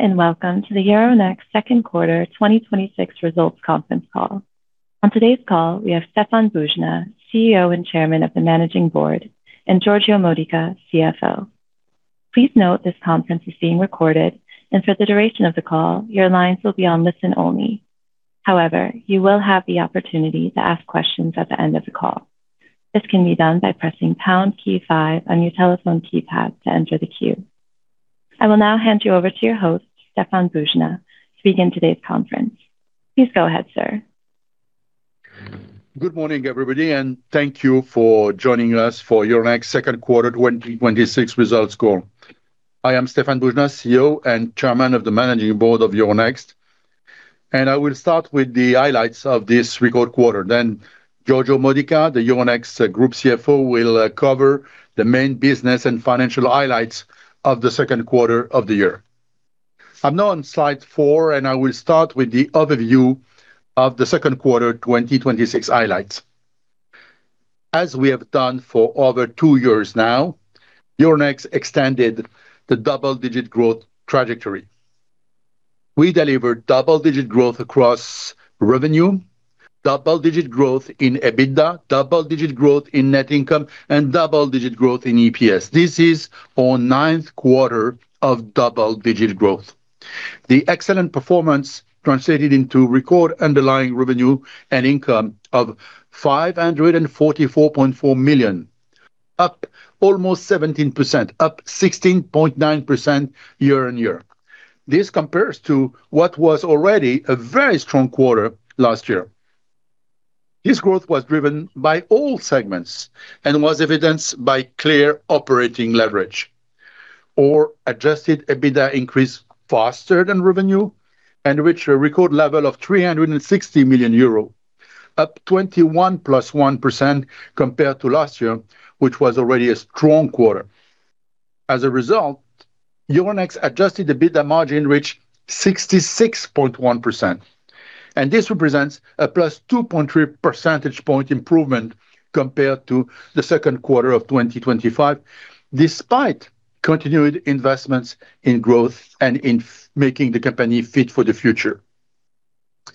Hello, welcome to the Euronext second quarter 2026 results conference call. On today's call, we have Stéphane Boujnah, CEO and Chairman of the Managing Board, and Giorgio Modica, CFO. Please note this conference is being recorded, and for the duration of the call, your lines will be on listen only. You will have the opportunity to ask questions at the end of the call. This can be done by pressing pound key five on your telephone keypad to enter the queue. I will now hand you over to your host, Stéphane Boujnah, to begin today's conference. Please go ahead, sir. Good morning, everybody, thank you for joining us for Euronext second quarter 2026 results call. I am Stéphane Boujnah, CEO and Chairman of the Managing Board of Euronext. I will start with the highlights of this record quarter. Giorgio Modica, the Euronext Group CFO, will cover the main business and financial highlights of the second quarter of the year. I am now on slide four. I will start with the overview of the second quarter 2026 highlights. As we have done for over two years now, Euronext extended the double-digit growth trajectory. We delivered double-digit growth across revenue, double-digit growth in EBITDA, double-digit growth in net income, and double-digit growth in EPS. This is our ninth quarter of double-digit growth. The excellent performance translated into record underlying revenue and income of 544.4 million, up almost 17%, up 16.9% year-on-year. This compares to what was already a very strong quarter last year. This growth was driven by all segments and was evidenced by clear operating leverage, or Adjusted EBITDA increase faster than revenue, and reached a record level of 360 million euro, up 21+1% compared to last year, which was already a strong quarter. As a result, Euronext Adjusted EBITDA margin reached 66.1%. This represents a +2.3 percentage point improvement compared to the second quarter of 2025, despite continued investments in growth and in making the company fit for the future.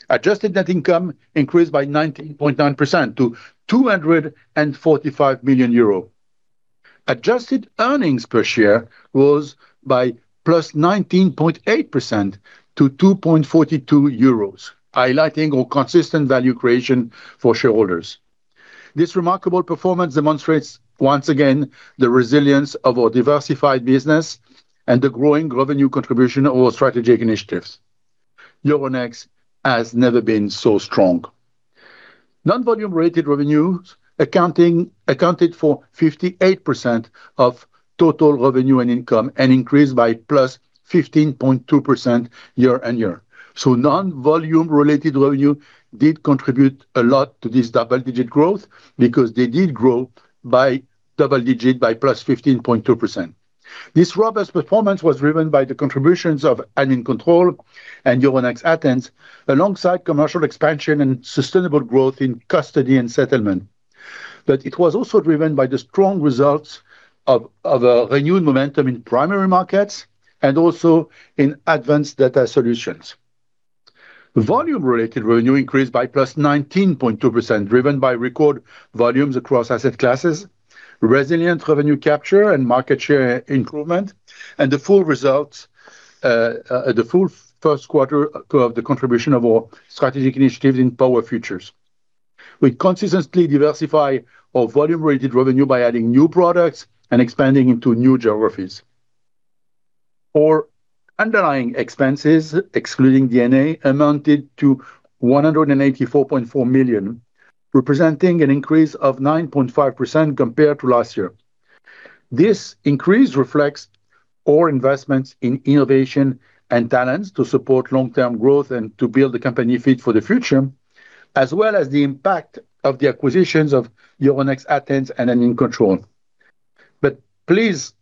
Adjusted net income increased by 19.9% to 245 million euro. Adjusted earnings per share rose by +19.8% to 2.42 euros, highlighting our consistent value creation for shareholders. This remarkable performance demonstrates, once again, the resilience of our diversified business and the growing revenue contribution of our strategic initiatives. Euronext has never been so strong. Non-volume-related revenues accounted for 58% of total revenue and income, and increased by +15.2% year-on-year. Non-volume-related revenue did contribute a lot to this double-digit growth, because they did grow by double-digit by +15.2%. This robust performance was driven by the contributions of Admincontrol and Euronext Athens alongside commercial expansion and sustainable growth in custody and settlement. It was also driven by the strong results of a renewed momentum in primary markets and also in advanced data solutions. Volume-related revenue increased by +19.2%, driven by record volumes across asset classes, resilient revenue capture, and market share improvement, and the full first quarter of the contribution of our strategic initiatives in power futures. We consistently diversify our volume-related revenue by adding new products and expanding into new geographies. Our underlying expenses, excluding D&A, amounted to 184.4 million, representing an increase of 9.5% compared to last year. This increase reflects our investments in innovation and talents to support long-term growth and to build the company fit for the future, as well as the impact of the acquisitions of Euronext Athens and Admincontrol. Please,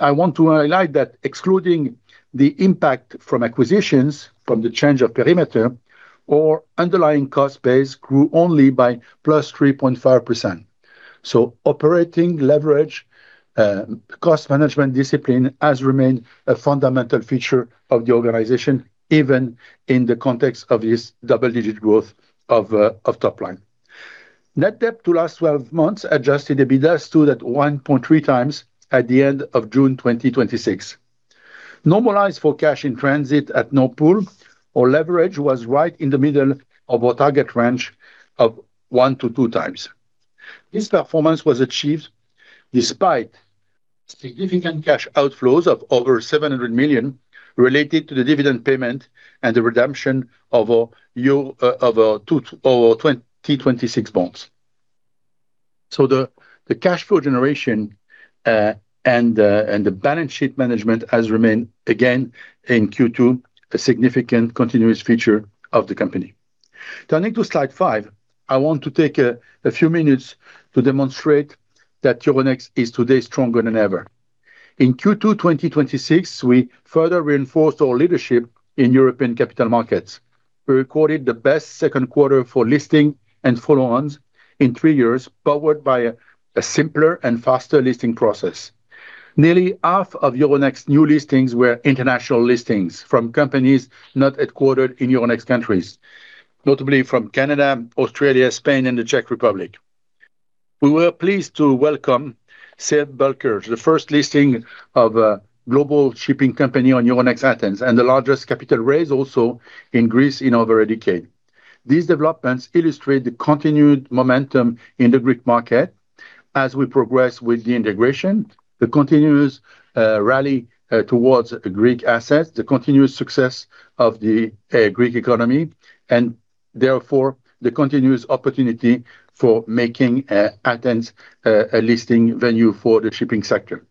I want to highlight that excluding the impact from acquisitions, from the change of perimeter, our underlying cost base grew only by +3.5%. Operating leverage, cost management discipline has remained a fundamental feature of the organization, even in the context of this double-digit growth of top line. Net debt to last 12 months Adjusted EBITDA stood at 1.3x at the end of June 2026. Normalized for cash in transit at Nord Pool, our leverage was right in the middle of our target range of 1x-2x. This performance was achieved despite significant cash outflows of over 700 million related to the dividend payment and the redemption of our T26 bonds. The cash flow generation and the balance sheet management has remained again in Q2, a significant continuous feature of the company. Turning to slide five, I want to take a few minutes to demonstrate that Euronext is today stronger than ever. In Q2 2026, we further reinforced our leadership in European capital markets. We recorded the best second quarter for listing and follow-ons in three years, powered by a simpler and faster listing process. Nearly half of Euronext new listings were international listings from companies not headquartered in Euronext countries, notably from Canada, Australia, Spain, and the Czech Republic. We were pleased to welcome Safe Bulkers, the first listing of a global shipping company on Euronext Athens, and the largest capital raise also in Greece in over a decade. These developments illustrate the continued momentum in the Greek market as we progress with the integration, the continuous rally towards Greek assets, the continuous success of the Greek economy, and therefore the continuous opportunity for making Athens a listing venue for the shipping sector.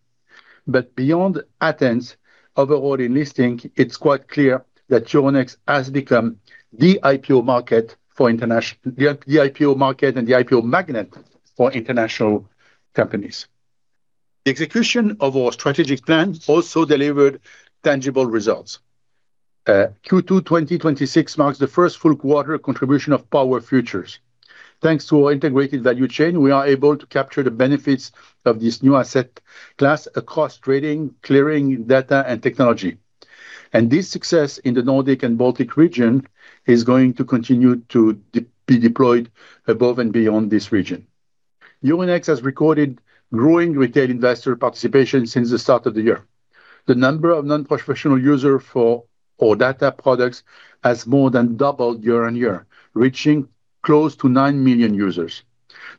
Beyond Athens, overall in listing, it is quite clear that Euronext has become the IPO market and the IPO magnet for international companies. The execution of our strategic plan also delivered tangible results. Q2 2026 marks the first full quarter contribution of power futures. Thanks to our integrated value chain, we are able to capture the benefits of this new asset class across trading, clearing, data, and technology. This success in the Nordic and Baltic region is going to continue to be deployed above and beyond this region. Euronext has recorded growing retail investor participation since the start of the year. The number of non-professional user for our data products has more than doubled year-on-year, reaching close to 9 million users.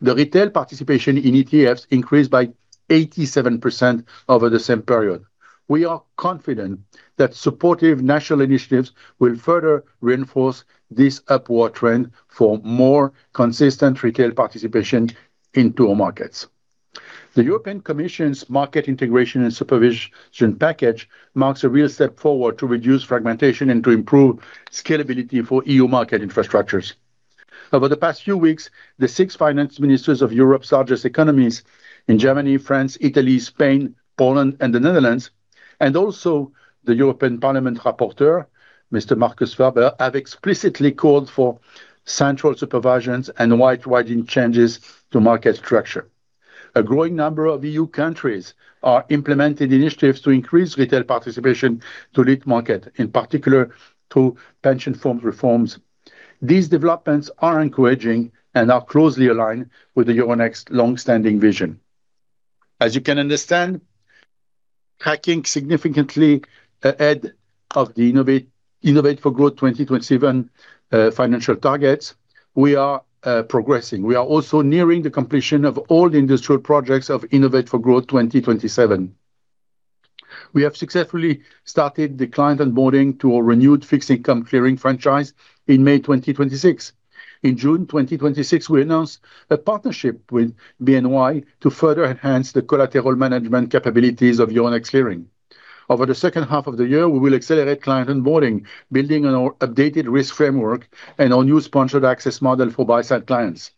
The retail participation in ETFs increased by 87% over the same period. We are confident that supportive national initiatives will further reinforce this upward trend for more consistent retail participation into our markets. The European Commission's market integration and supervision package marks a real step forward to reduce fragmentation and to improve scalability for E.U. market infrastructures. Over the past few weeks, the six finance ministers of Europe's largest economies in Germany, France, Italy, Spain, Poland, and the Netherlands, and also the European Parliament rapporteur, Mr. Markus Ferber, have explicitly called for central supervisions and wide-ranging changes to market structure. A growing number of E.U. countries are implementing initiatives to increase retail participation to lead market, in particular to pension forms reforms. These developments are encouraging and are closely aligned with the Euronext longstanding vision. As you can understand, tracking significantly ahead of the Innovate for Growth 2027 financial targets, we are progressing. We are also nearing the completion of all industrial projects of Innovate for Growth 2027. We have successfully started the client onboarding to a renewed fixed income clearing franchise in May 2026. In June 2026, we announced a partnership with BNY to further enhance the collateral management capabilities of Euronext Clearing. Over the second half of the year, we will accelerate client onboarding, building on our updated risk framework and our new sponsored access model for buy-side clients.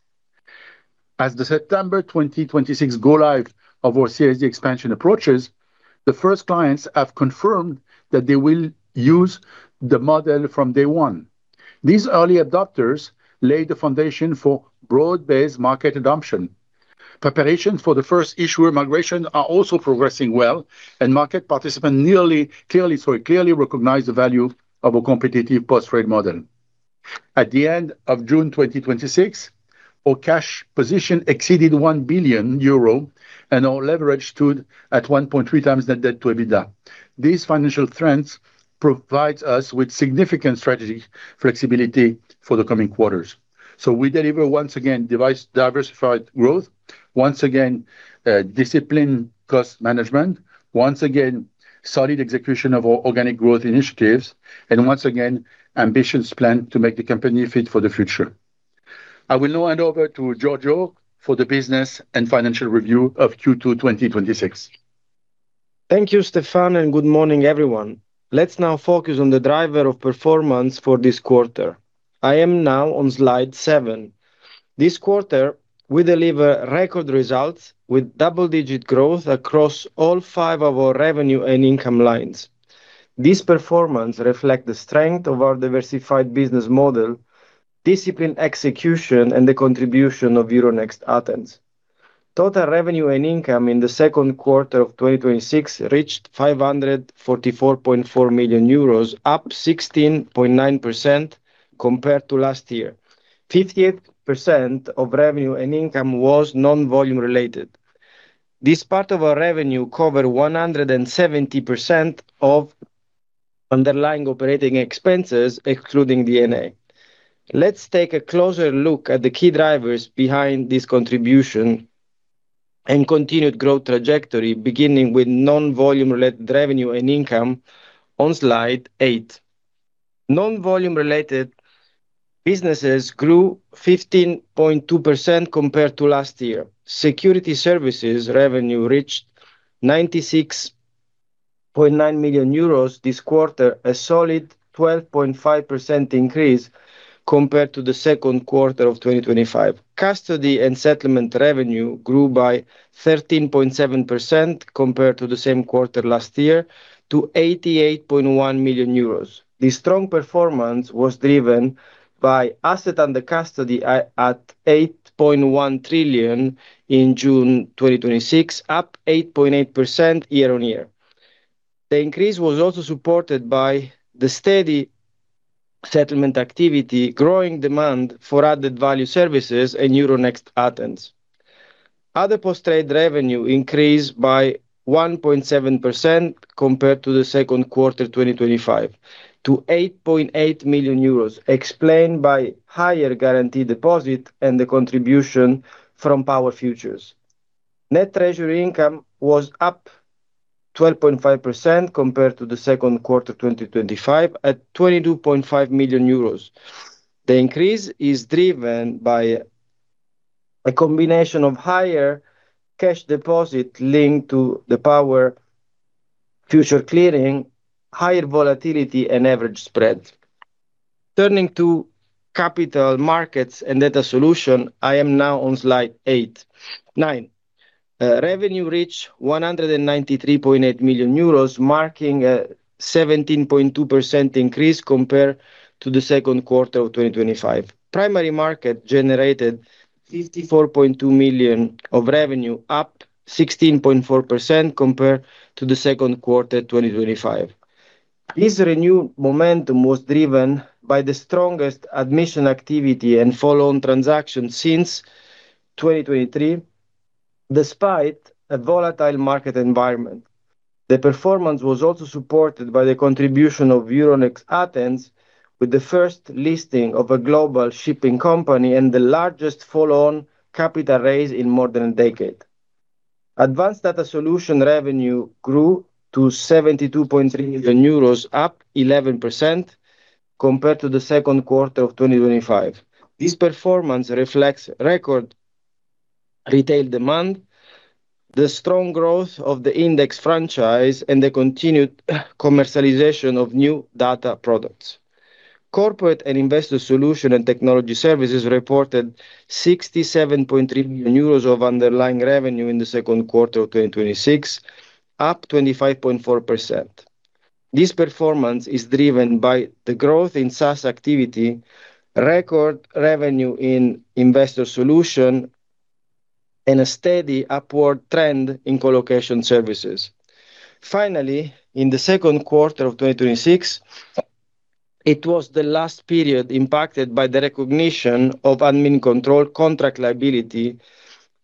As the September 2026 go live of our CSD expansion approaches, the first clients have confirmed that they will use the model from day one. These early adopters lay the foundation for broad-based market adoption. Preparation for the first issuer migration are also progressing well, and market participants clearly recognize the value of a competitive post-trade model. At the end of June 2026, our cash position exceeded 1 billion euro, and our leverage stood at 1.3x net debt-to-EBITDA. These financial trends provide us with significant strategy flexibility for the coming quarters. We deliver, once again, diversified growth. Once again, discipline cost management. Once again, solid execution of our organic growth initiatives. Once again, ambitious plan to make the company fit for the future. I will now hand over to Giorgio for the business and financial review of Q2 2026. Thank you, Stéphane, and good morning, everyone. Let's now focus on the driver of performance for this quarter. I am now on slide seven. This quarter, we deliver record results with double-digit growth across all five of our revenue and income lines. This performance reflect the strength of our diversified business model, disciplined execution, and the contribution of Euronext Athens. Total revenue and income in the second quarter of 2026 reached 544.4 million euros, up 16.9% compared to last year. 58% of revenue and income was non-volume related. This part of our revenue cover 170% of underlying operating expenses, excluding D&A. Let's take a closer look at the key drivers behind this contribution and continued growth trajectory, beginning with non-volume related revenue and income on slide eight. Non-volume related businesses grew 15.2% compared to last year. Security services revenue reached 96.9 million euros this quarter, a solid 12.5% increase compared to the second quarter of 2025. Custody and settlement revenue grew by 13.7% compared to the same quarter last year to 88.1 million euros. The strong performance was driven by asset under custody at 8.1 trillion in June 2026, up 8.8% year-on-year. The increase was also supported by the steady settlement activity, growing demand for added value services, and Euronext Athens. Other post-trade revenue increased by 1.7% compared to the second quarter 2025 to 8.8 million euros, explained by higher guaranteed deposit and the contribution from power futures. Net treasury income was up 12.5% compared to the second quarter 2025, at 22.5 million euros. The increase is driven by a combination of higher cash deposit linked to the power future clearing, higher volatility and average spread. Turning to capital markets and data solution, I am now on slide nine. Revenue reached 193.8 million euros, marking a 17.2% increase compared to the second quarter of 2025. Primary market generated 54.2 million of revenue, up 16.4% compared to the second quarter 2025. This renewed momentum was driven by the strongest admission activity and follow-on transaction since 2023, despite a volatile market environment. The performance was also supported by the contribution of Euronext Athens with the first listing of a global shipping company and the largest follow-on capital raise in more than a decade. Advanced data solution revenue grew to 72.3 million euros, up 11% compared to the second quarter of 2025. This performance reflects record retail demand, the strong growth of the index franchise, and the continued commercialization of new data products. Corporate and investor solution and technology services reported 67.3 million euros of underlying revenue in the second quarter of 2026, up 25.4%. This performance is driven by the growth in SaaS activity, record revenue in investor solution, and a steady upward trend in colocation services. Finally, in the second quarter of 2026, it was the last period impacted by the recognition of Admincontrol contract liability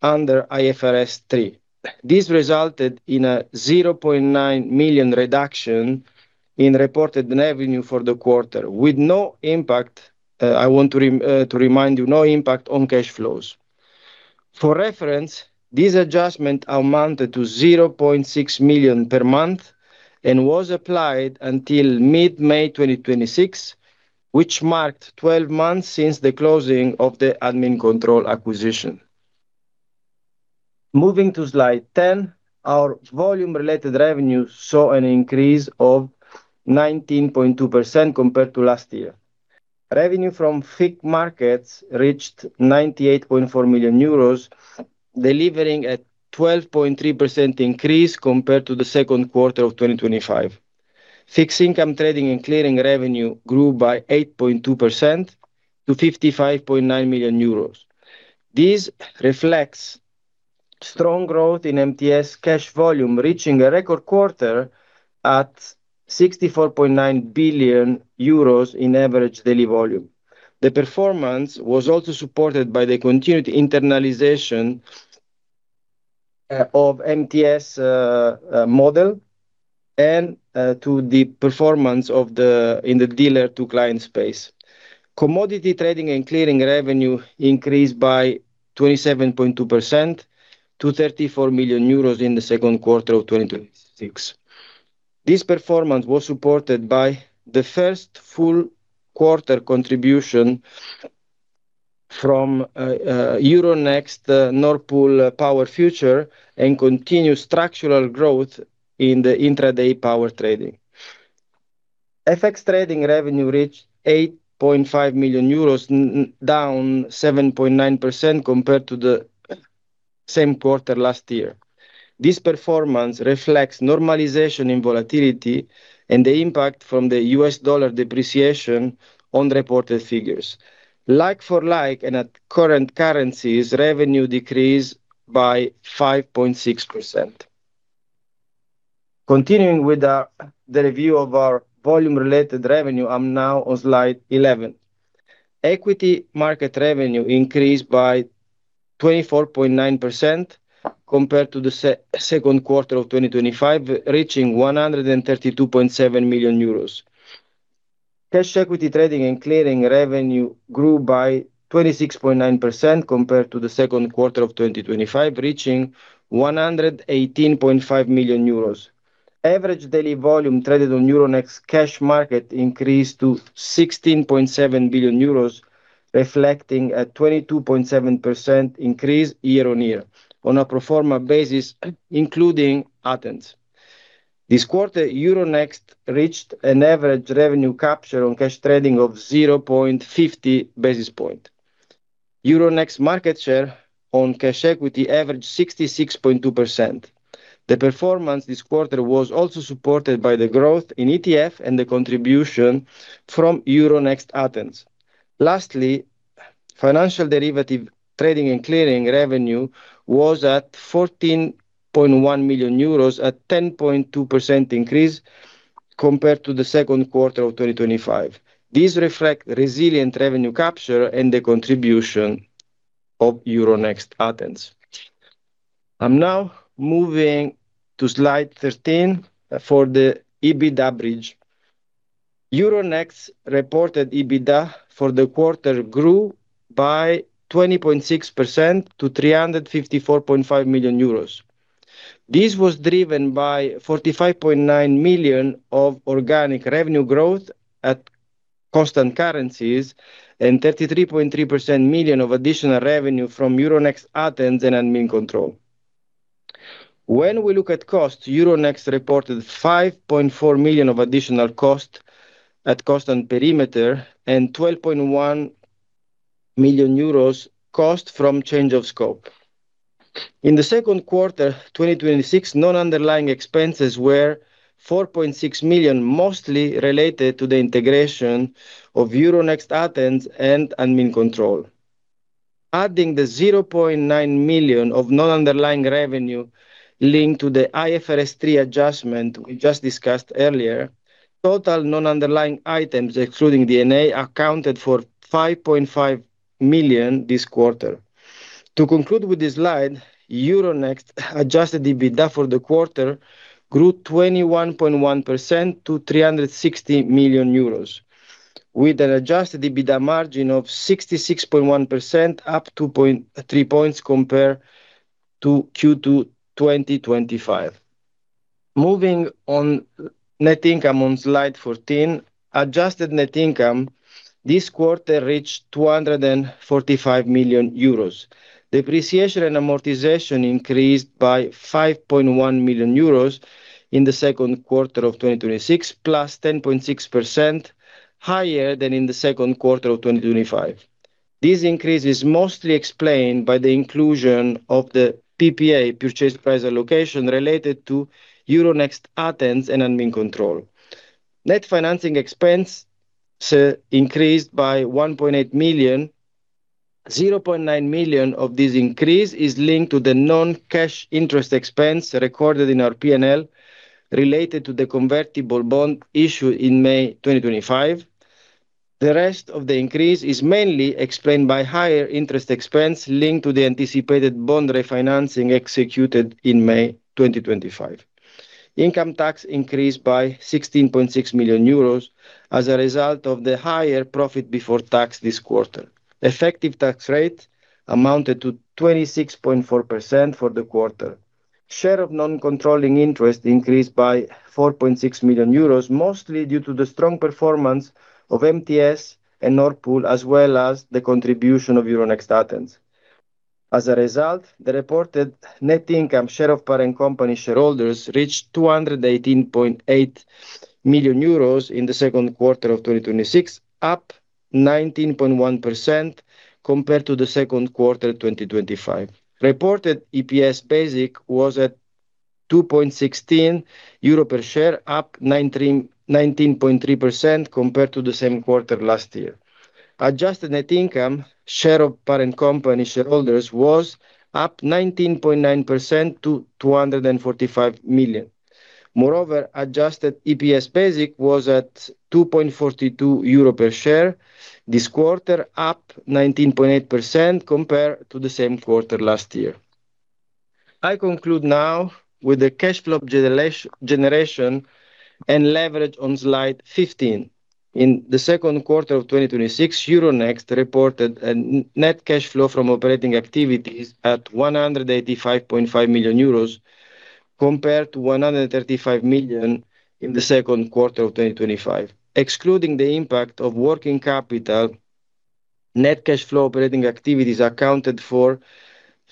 under IFRS 3. This resulted in a 0.9 million reduction in reported revenue for the quarter with no impact, I want to remind you, no impact on cash flows. For reference, this adjustment amounted to 0.6 million per month and was applied until mid-May 2026, which marked 12 months since the closing of the Admincontrol acquisition. Moving to slide 10, our volume-related revenue saw an increase of 19.2% compared to last year. Revenue from FICC markets reached 98.4 million euros, delivering a 12.3% increase compared to the second quarter of 2025. Fixed income trading and clearing revenue grew by 8.2% to 55.9 million euros. This reflects strong growth in MTS cash volume, reaching a record quarter at 64.9 billion euros in average daily volume. The performance was also supported by the continued internalization of MTS model and to the performance in the dealer-to-client space. Commodity trading and clearing revenue increased by 27.2% to 34 million euros in the second quarter of 2026. This performance was supported by the first full quarter contribution from Euronext Nord Pool Power Futures and continued structural growth in the intraday power trading. FX trading revenue reached 8.5 million euros, down 7.9% compared to the same quarter last year. This performance reflects normalization in volatility and the impact from the U.S. dollar depreciation on reported figures. Like-for-like and at current currencies, revenue decreased by 5.6%. Continuing with the review of our volume-related revenue, I am now on slide 11. Equity market revenue increased by 24.9% compared to the second quarter of 2025, reaching 132.7 million euros. Cash equity trading and clearing revenue grew by 26.9% compared to the second quarter of 2025, reaching 118.5 million euros. Average daily volume traded on Euronext cash market increased to 16.7 billion euros, reflecting a 22.7% increase year-over-year on a pro forma basis, including Euronext Athens. This quarter, Euronext reached an average revenue capture on cash trading of 0.50 basis point. Euronext market share on cash equity averaged 66.2%. The performance this quarter was also supported by the growth in ETF and the contribution from Euronext Athens. Lastly, financial derivative trading and clearing revenue was at 14.1 million euros, a 10.2% increase compared to the second quarter of 2025. These reflect resilient revenue capture and the contribution of Euronext Athens. I am now moving to slide 13 for the EBITDA bridge. Euronext's reported EBITDA for the quarter grew by 20.6% to 354.5 million euros. This was driven by 45.9 million of organic revenue growth at constant currencies and 33.3 million of additional revenue from Euronext Athens and Admincontrol. When we look at costs, Euronext reported 5.4 million of additional cost at cost and perimeter and 12.1 million euros cost from change of scope. In the second quarter 2026, non-underlying expenses were 4.6 million, mostly related to the integration of Euronext Athens and Admincontrol. Adding the 0.9 million of non-underlying revenue linked to the IFRS 3 adjustment we just discussed earlier, total non-underlying items, excluding D&A, accounted for 5.5 million this quarter. To conclude with this slide, Euronext Adjusted EBITDA for the quarter grew 21.1% to 360 million euros, with an Adjusted EBITDA margin of 66.1%, up 2.3 points compared to Q2 2025. Moving on net income on slide 14, adjusted net income this quarter reached 245 million euros. Depreciation and amortization increased by 5.1 million euros in the second quarter of 2026, +10.6% higher than in the second quarter of 2025. This increase is mostly explained by the inclusion of the PPA, purchase price allocation, related to Euronext Athens and Admincontrol. Net financing expense increased by 1.8 million. 0.9 million of this increase is linked to the non-cash interest expense recorded in our P&L related to the convertible bond issued in May 2025. The rest of the increase is mainly explained by higher interest expense linked to the anticipated bond refinancing executed in May 2025. Income tax increased by 16.6 million euros as a result of the higher profit before tax this quarter. Effective tax rate amounted to 26.4% for the quarter. Share of non-controlling interest increased by 4.6 million euros, mostly due to the strong performance of MTS and Nord Pool, as well as the contribution of Euronext Athens. As a result, the reported net income share of parent company shareholders reached 218.8 million euros in the second quarter of 2026, up 19.1% compared to the second quarter of 2025. Reported EPS basic was at 2.16 euro per share, up 19.3% compared to the same quarter last year. Adjusted net income share of parent company shareholders was up 19.9% to 245 million. Adjusted EPS basic was at 2.42 euro per share this quarter, up 19.8% compared to the same quarter last year. I conclude now with the cash flow generation and leverage on slide 15. In the second quarter of 2026, Euronext reported a net cash flow from operating activities at 185.5 million euros compared to 135 million in the second quarter of 2025. Excluding the impact of working capital, net cash flow operating activities accounted for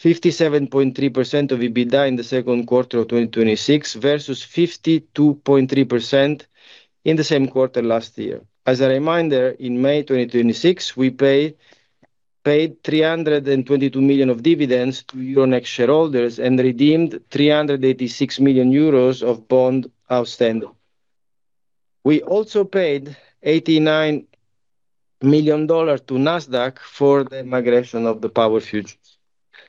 57.3% of EBITDA in the second quarter of 2026 versus 52.3% in the same quarter last year. As a reminder, in May 2026, we paid 322 million of dividends to Euronext shareholders and redeemed 386 million euros of bond outstanding. We also paid $89 million to Nasdaq for the migration of the power futures.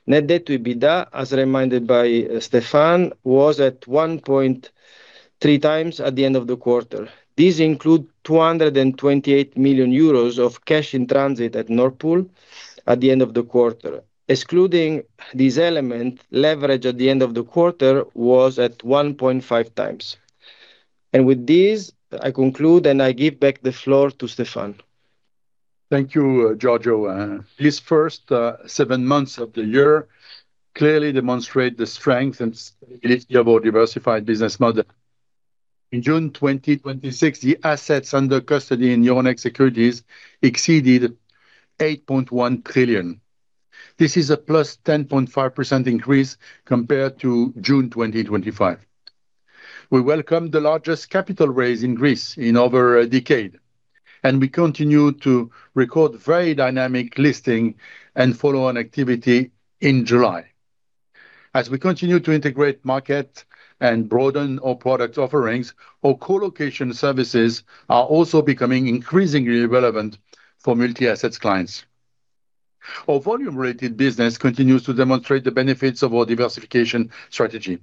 Net debt-to-EBITDA, as reminded by Stéphane, was at 1.3x at the end of the quarter. These include 228 million euros of cash in transit at Nord Pool at the end of the quarter. Excluding this element, leverage at the end of the quarter was at 1.5x. With this, I conclude. I give back the floor to Stéphane. Thank you, Giorgio. These first seven months of the year clearly demonstrate the strength and resiliency of our diversified business model. In June 2026, the assets under custody in Euronext Securities exceeded 8.1 trillion. This is a +10.5% increase compared to June 2025. We welcomed the largest capital raise in Greece in over a decade, and we continue to record very dynamic listing and follow-on activity in July. As we continue to integrate market and broaden our product offerings, our co-location services are also becoming increasingly relevant for multi-assets clients. Our volume-related business continues to demonstrate the benefits of our diversification strategy.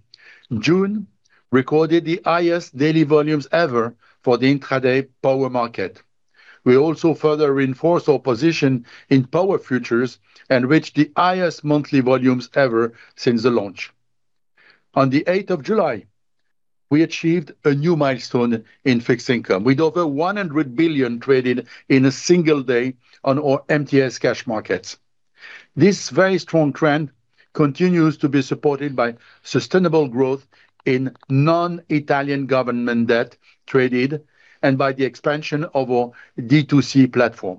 June recorded the highest daily volumes ever for the intraday power market. We also further reinforced our position in power futures and reached the highest monthly volumes ever since the launch. On the 8th of July, we achieved a new milestone in fixed income, with over 100 billion traded in a single day on our MTS cash markets. This very strong trend continues to be supported by sustainable growth in non-Italian government debt traded, and by the expansion of our D2C platform.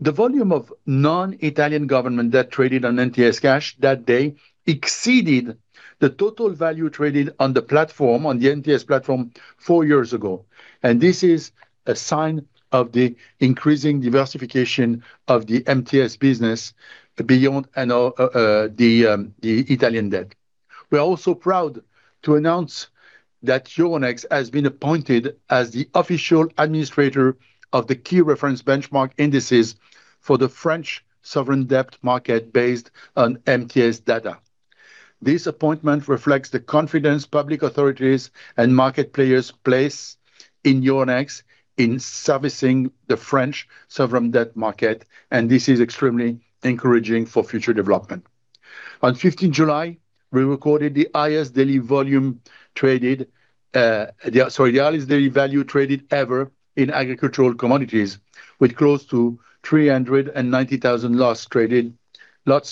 The volume of non-Italian government that traded on MTS cash that day exceeded the total value traded on the platform, on the MTS platform, four years ago. This is a sign of the increasing diversification of the MTS business beyond the Italian debt. We are also proud to announce that Euronext has been appointed as the official administrator of the key reference benchmark indices for the French sovereign debt market, based on MTS data. This appointment reflects the confidence public authorities and market players place in Euronext in servicing the French sovereign debt market, and this is extremely encouraging for future development. On July 15th, we recorded the highest daily value traded ever in agricultural commodities, with close to 390,000 lots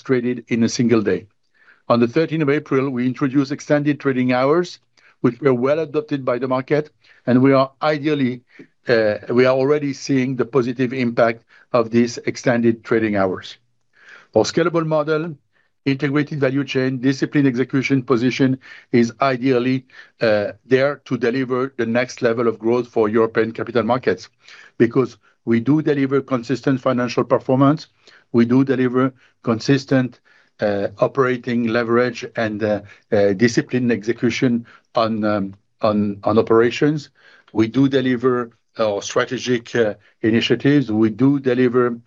traded in a single day. On April 13th, we introduced extended trading hours, which were well adopted by the market, and we are already seeing the positive impact of these extended trading hours. Our scalable model, integrated value chain, disciplined execution position is ideally there to deliver the next level of growth for European capital markets, because we do deliver consistent financial performance, we do deliver consistent operating leverage, and disciplined execution on operations. We do deliver our strategic initiatives. We do deliver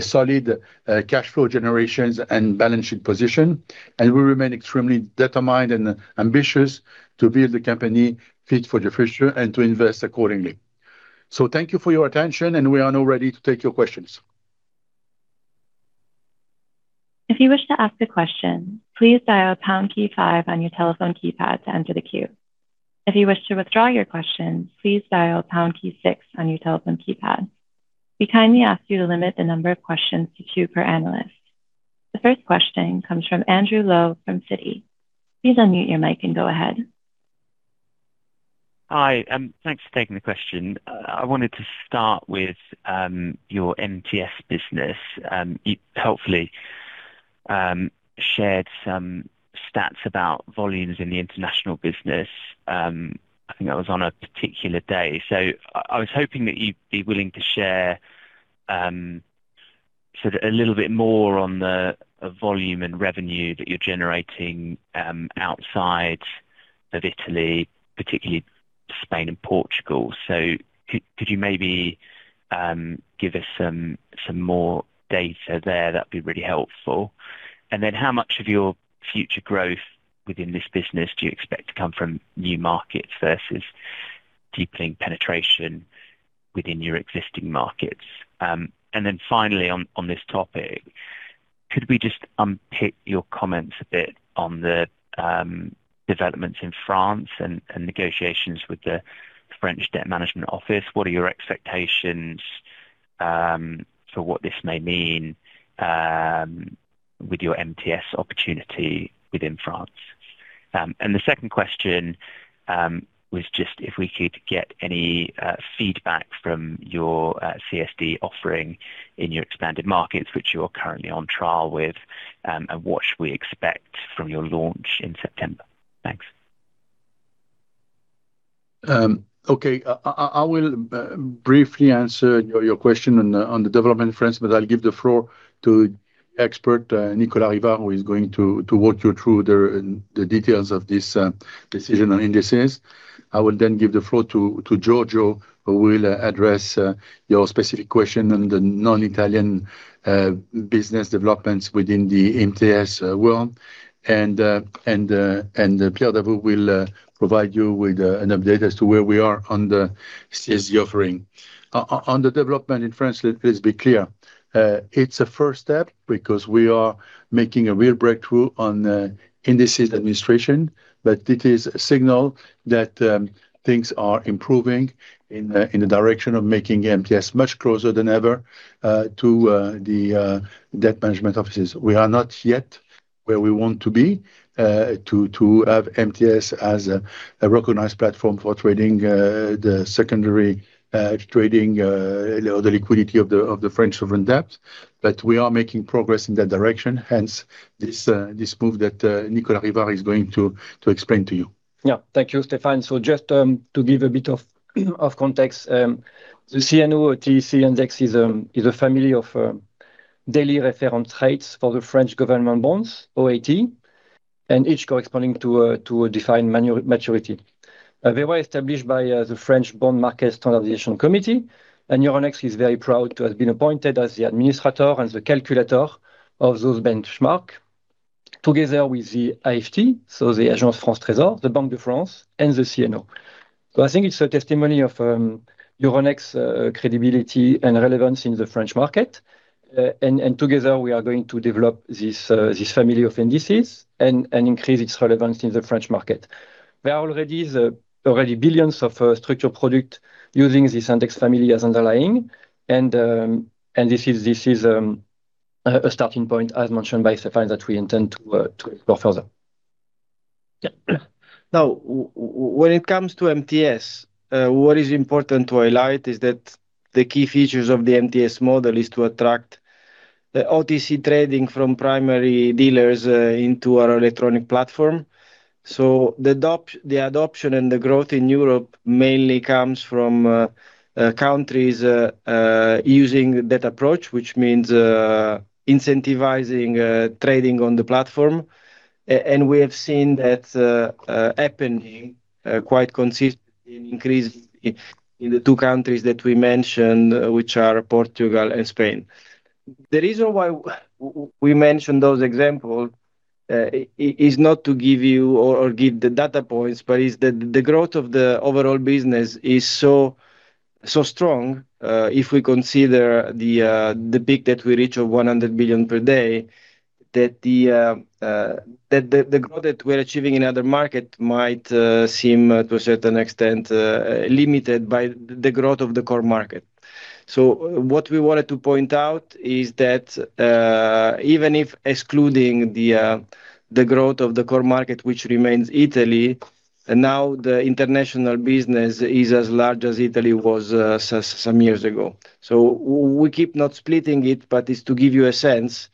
solid cash flow generations and balance sheet position. We remain extremely determined and ambitious to view the company fit for the future, and to invest accordingly. Thank you for your attention, and we are now ready to take your questions. If you wish to ask a question, please dial pound key five on your telephone keypad to enter the queue. If you wish to withdraw your question, please dial pound key six on your telephone keypad. We kindly ask you to limit the number of questions to two per analyst. The first question comes from Andrew Lowe from Citi. Please unmute your mic and go ahead. Hi, thanks for taking the question. I wanted to start with your MTS business. You helpfully shared some stats about volumes in the international business. I think that was on a particular day. I was hoping that you'd be willing to share a little bit more on the volume and revenue that you're generating outside of Italy, particularly Spain and Portugal. Could you maybe give us some more data there? That'd be really helpful. Then how much of your future growth within this business do you expect to come from new markets versus deepening penetration within your existing markets? Then finally on this topic, could we just unpick your comments a bit on the developments in France and negotiations with the French debt management office? What are your expectations for what this may mean with your MTS opportunity within France? The second question was just if we could get any feedback from your CSD offering in your expanded markets, which you are currently on trial with, and what should we expect from your launch in September? Thanks. I will briefly answer your question on the development in France, but I'll give the floor to expert Nicolas Rivard, who is going to walk you through the details of this decision on indices. I will then give the floor to Giorgio, who will address your specific question on the non-Italian business developments within the MTS world. Pierre Davoust will provide you with an update as to where we are on the CSD offering. On the development in France, let's be clear. It's a first step because we are making a real breakthrough on indices administration, but it is a signal that things are improving in the direction of making MTS much closer than ever to the debt management offices. We are not yet where we want to be, to have MTS as a recognized platform for trading the secondary trading or the liquidity of the French sovereign debt. We are making progress in that direction, hence this move that Nicolas Rivard is going to explain to you. Thank you, Stéphane. Just to give a bit of context, the CNO OAT index is a family of daily reference rates for the French government bonds, OAT, and each corresponding to a defined maturity. They were established by the French Bond Market Standardisation Committee, and Euronext is very proud to have been appointed as the administrator and the calculator of those benchmark together with the AFT, so the Agence France Trésor, the Banque de France, and the CNO. I think it's a testimony of Euronext's credibility and relevance in the French market. Together, we are going to develop this family of indices and increase its relevance in the French market. There are already billions of structured product using this index family as underlying, and this is a starting point, as mentioned by Stéphane, that we intend to explore further. When it comes to MTS, what is important to highlight is that the key features of the MTS model is to attract the OTC trading from primary dealers into our electronic platform. The adoption and the growth in Europe mainly comes from countries using that approach, which means incentivizing trading on the platform. We have seen that happening quite consistently, increasing in the two countries that we mentioned, which are Portugal and Spain. The reason why we mention those example is not to give you or give the data points, but it's the growth of the overall business is so strong, if we consider the peak that we reach of 100 billion per day, that the growth that we're achieving in other market might seem, to a certain extent, limited by the growth of the core market. What we wanted to point out is that, even if excluding the growth of the core market, which remains Italy, now the international business is as large as Italy was some years ago. We keep not splitting it, but it's to give you a sense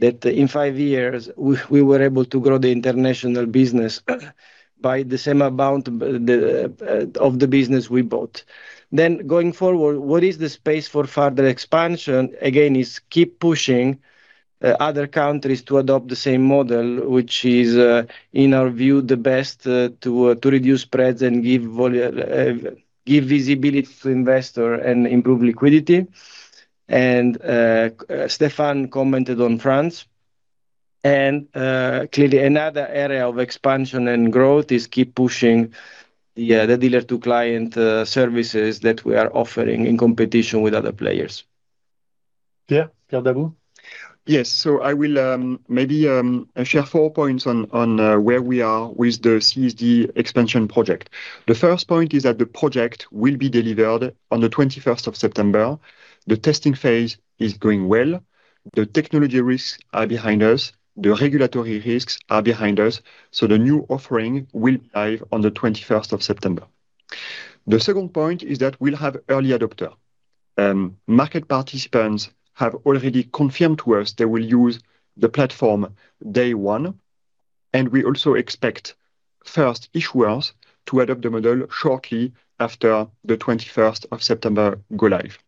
that in five years, we were able to grow the international business by the same amount of the business we bought. Going forward, what is the space for further expansion, again, is keep pushing other countries to adopt the same model, which is, in our view, the best to reduce spreads and give visibility to investor and improve liquidity. Stéphane commented on France. Clearly another area of expansion and growth is keep pushing the dealer-to-client services that we are offering in competition with other players. Pierre Davoust. I will maybe share four points on where we are with the CSD expansion project. The first point is that the project will be delivered on the 21st of September. The testing phase is going well. The technology risks are behind us. The regulatory risks are behind us. The new offering will be live on the 21st of September. The second point is that we'll have early adopter. Market participants have already confirmed to us they will use the platform day one, and we also expect first issuers to adopt the model shortly after the 21st of September go live.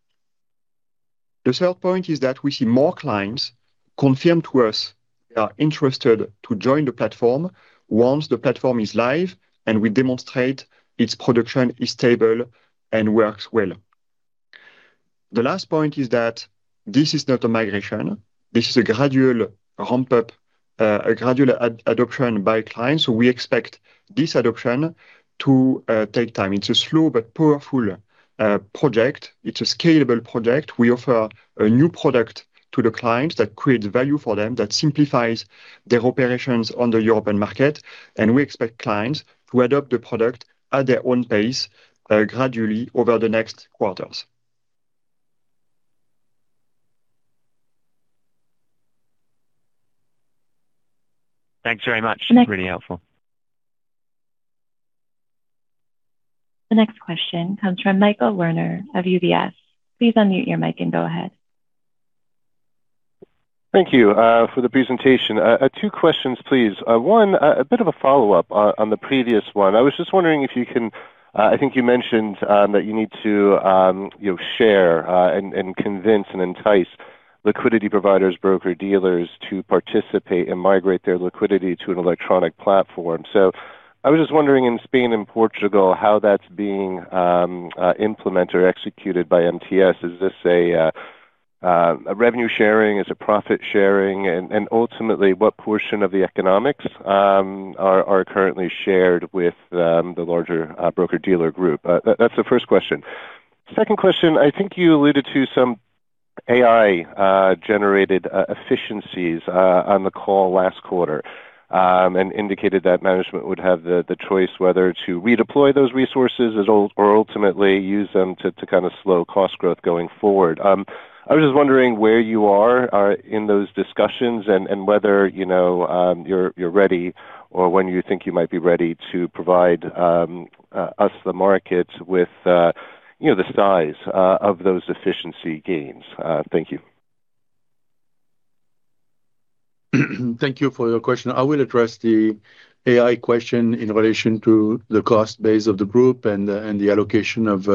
The third point is that we see more clients confirmed to us they are interested to join the platform once the platform is live and we demonstrate its production is stable and works well. The last point is that this is not a migration. This is a gradual ramp-up, a gradual adoption by clients. We expect this adoption to take time. It's a slow but powerful project. It's a scalable project. We offer a new product to the clients that creates value for them, that simplifies their operations on the European market, we expect clients to adopt the product at their own pace gradually over the next quarters. Thanks very much. Really helpful. The next question comes from Michael Werner of UBS. Please unmute your mic and go ahead. Thank you for the presentation. Two questions, please. One, a bit of a follow-up on the previous one. I think you mentioned that you need to share and convince and entice liquidity providers, broker-dealers to participate and migrate their liquidity to an electronic platform. I was just wondering, in Spain and Portugal, how that's being implemented or executed by MTS. Is this a revenue sharing? Is it profit sharing? Ultimately, what portion of the economics are currently shared with the larger broker-dealer group? That's the first question. Second question, I think you alluded to some AI-generated efficiencies on the call last quarter, and indicated that management would have the choice whether to redeploy those resources or ultimately use them to slow cost growth going forward. I was just wondering where you are in those discussions and whether you're ready or when you think you might be ready to provide us, the market, with the size of those efficiency gains. Thank you. Thank you for your question. I will address the AI question in relation to the cost base of the group and the allocation of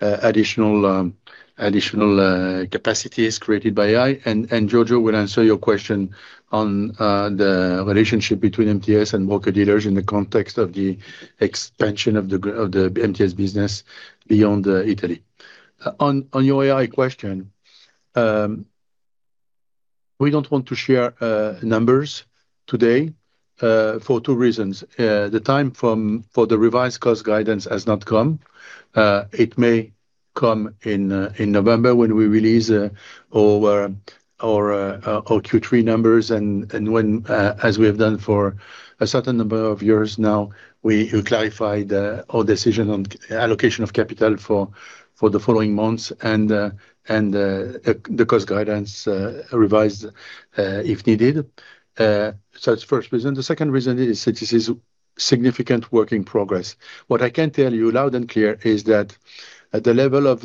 additional capacities created by AI. Giorgio will answer your question on the relationship between MTS and broker-dealers in the context of the expansion of the MTS business beyond Italy. On your AI question, we don't want to share numbers today for two reasons. The time for the revised cost guidance has not come. It may come in November when we release our Q3 numbers, as we have done for a certain number of years now. We clarify all decision on allocation of capital for the following months and the cost guidance revised, if needed. That's first reason. The second reason is that this is significant work in progress. What I can tell you loud and clear is that at the level of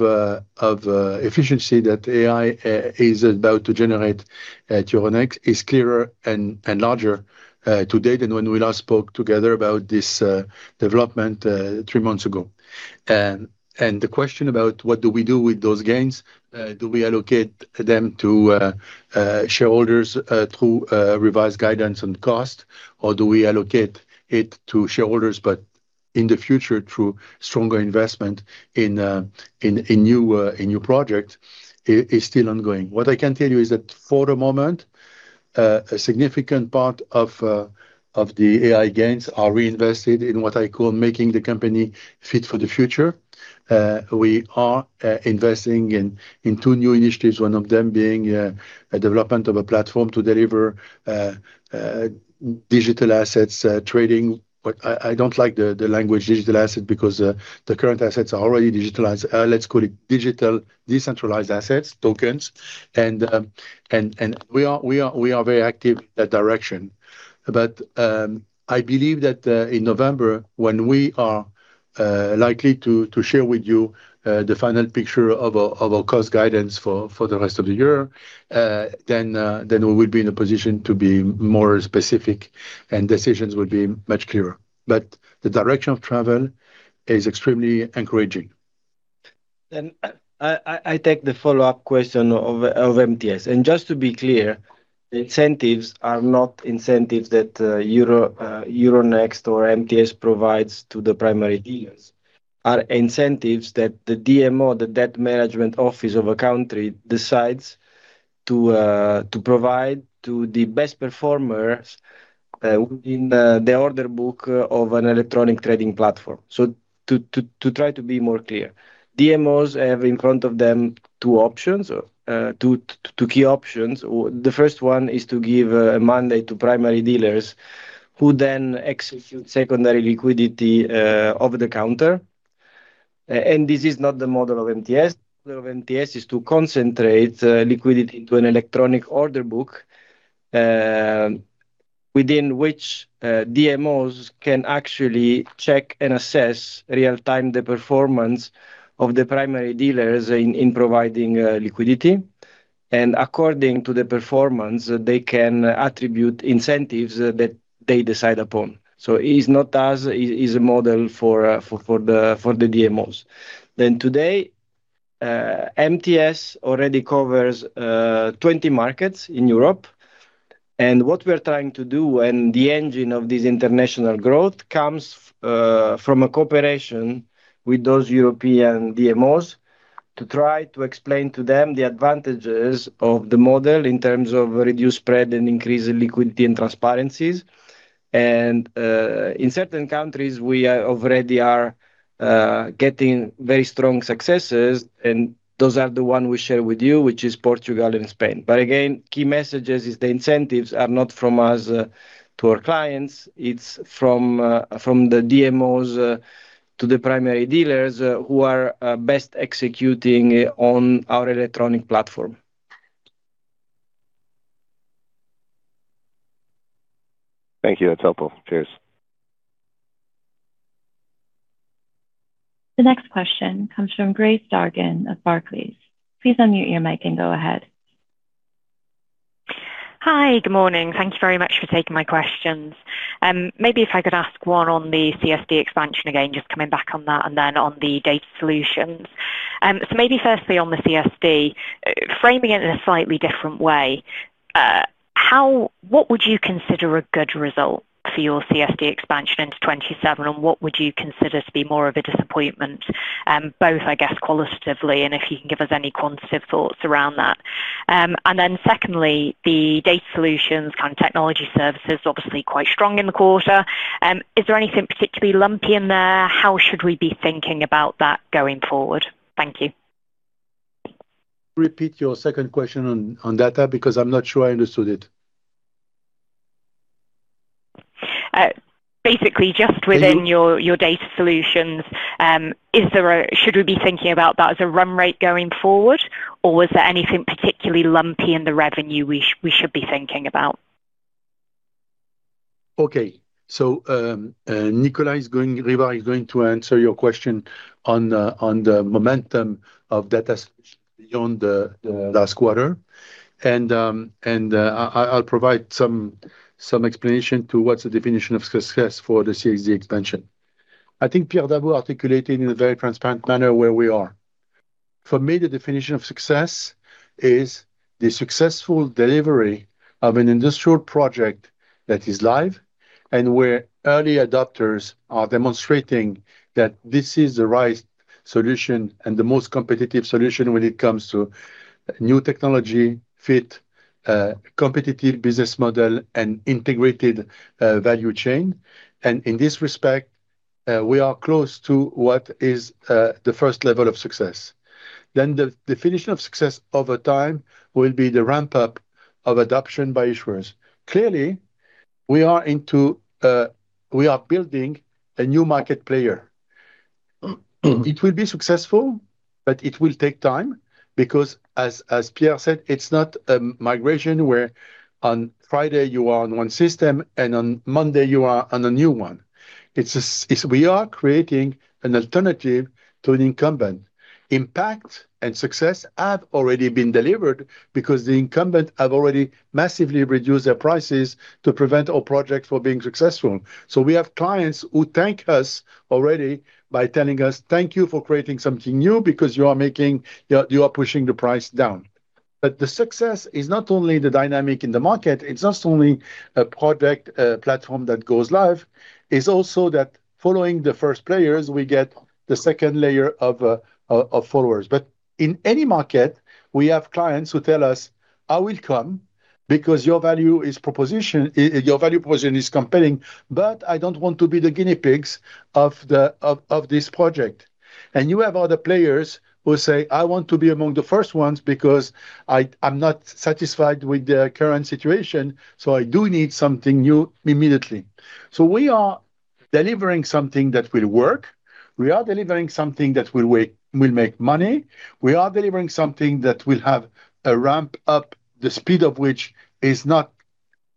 efficiency that AI is about to generate at Euronext is clearer and larger to date than when we last spoke together about this development three months ago. The question about what do we do with those gains, do we allocate them to shareholders through revised guidance on cost, or do we allocate it to shareholders, but in the future through stronger investment in new project, is still ongoing. What I can tell you is that for the moment, a significant part of the AI gains are reinvested in what I call making the company fit for the future. We are investing in two new initiatives, one of them being a development of a platform to deliver digital assets trading. I don't like the language digital asset, because the current assets are already digitalized. Let's call it digital decentralized assets, tokens. We are very active in that direction. I believe that in November, when we are likely to share with you the final picture of our cost guidance for the rest of the year, we will be in a position to be more specific, and decisions will be much clearer. The direction of travel is extremely encouraging. I take the follow-up question of MTS. Just to be clear, the incentives are not incentives that Euronext or MTS provides to the primary dealers, are incentives that the DMO, the Debt Management Office of a country, decides to provide to the best performers within the order book of an electronic trading platform. To try to be more clear, DMOs have in front of them two key options. The first one is to give a mandate to primary dealers, who then execute secondary liquidity over the counter. This is not the model of MTS. The model of MTS is to concentrate liquidity into an electronic order book, within which DMOs can actually check and assess real-time the performance of the primary dealers in providing liquidity. According to the performance, they can attribute incentives that they decide upon. It is a model for the DMOs. Today, MTS already covers 20 markets in Europe. What we're trying to do, and the engine of this international growth comes from a cooperation with those European DMOs to try to explain to them the advantages of the model in terms of reduced spread and increased liquidity and transparencies. In certain countries, we already are getting very strong successes, and those are the one we share with you, which is Portugal and Spain. Again, key messages is the incentives are not from us to our clients, it's from the DMOs to the primary dealers who are best executing on our electronic platform. Thank you. That's helpful. Cheers. The next question comes from Grace Dargan of Barclays. Please unmute your mic and go ahead. Hi. Good morning. Thank you very much for taking my questions. Maybe if I could ask one on the CSD expansion again, just coming back on that, and then on the data solutions. Maybe firstly on the CSD, framing it in a slightly different way, what would you consider a good result for your CSD expansion into 2027, and what would you consider to be more of a disappointment? Both, I guess, qualitatively and if you can give us any quantitative thoughts around that. Secondly, the data solutions and technology services, obviously quite strong in the quarter. Is there anything particularly lumpy in there? How should we be thinking about that going forward? Thank you. Repeat your second question on data, because I'm not sure I understood it. Basically, just within your data solutions, should we be thinking about that as a run rate going forward, or was there anything particularly lumpy in the revenue we should be thinking about? Nicolas Rivard is going to answer your question on the momentum of data solutions beyond the last quarter. I'll provide some explanation to what's the definition of success for the CSD expansion. I think Pierre did well articulating in a very transparent manner where we are. For me, the definition of success is the successful delivery of an industrial project that is live, and where early adopters are demonstrating that this is the right solution and the most competitive solution when it comes to new technology fit, competitive business model, and integrated value chain. In this respect, we are close to what is the first level of success. The definition of success over time will be the ramp-up of adoption by issuers. Clearly, we are building a new market player. It will be successful, but it will take time because, as Pierre said, it's not a migration where on Friday you are on one system and on Monday you are on a new one. We are creating an alternative to an incumbent. Impact and success have already been delivered, because the incumbent have already massively reduced their prices to prevent our project from being successful. We have clients who thank us already by telling us, thank you for creating something new because you are pushing the price down. The success is not only the dynamic in the market, it's not only a product platform that goes live. It's also that following the first players, we get the second layer of followers. In any market, we have clients who tell us, I will come because your value proposition is compelling, but I don't want to be the guinea pigs of this project. You have other players who say, I want to be among the first ones because I'm not satisfied with the current situation, I do need something new immediately. We are delivering something that will work. We are delivering something that will make money. We are delivering something that will have a ramp-up, the speed of which is not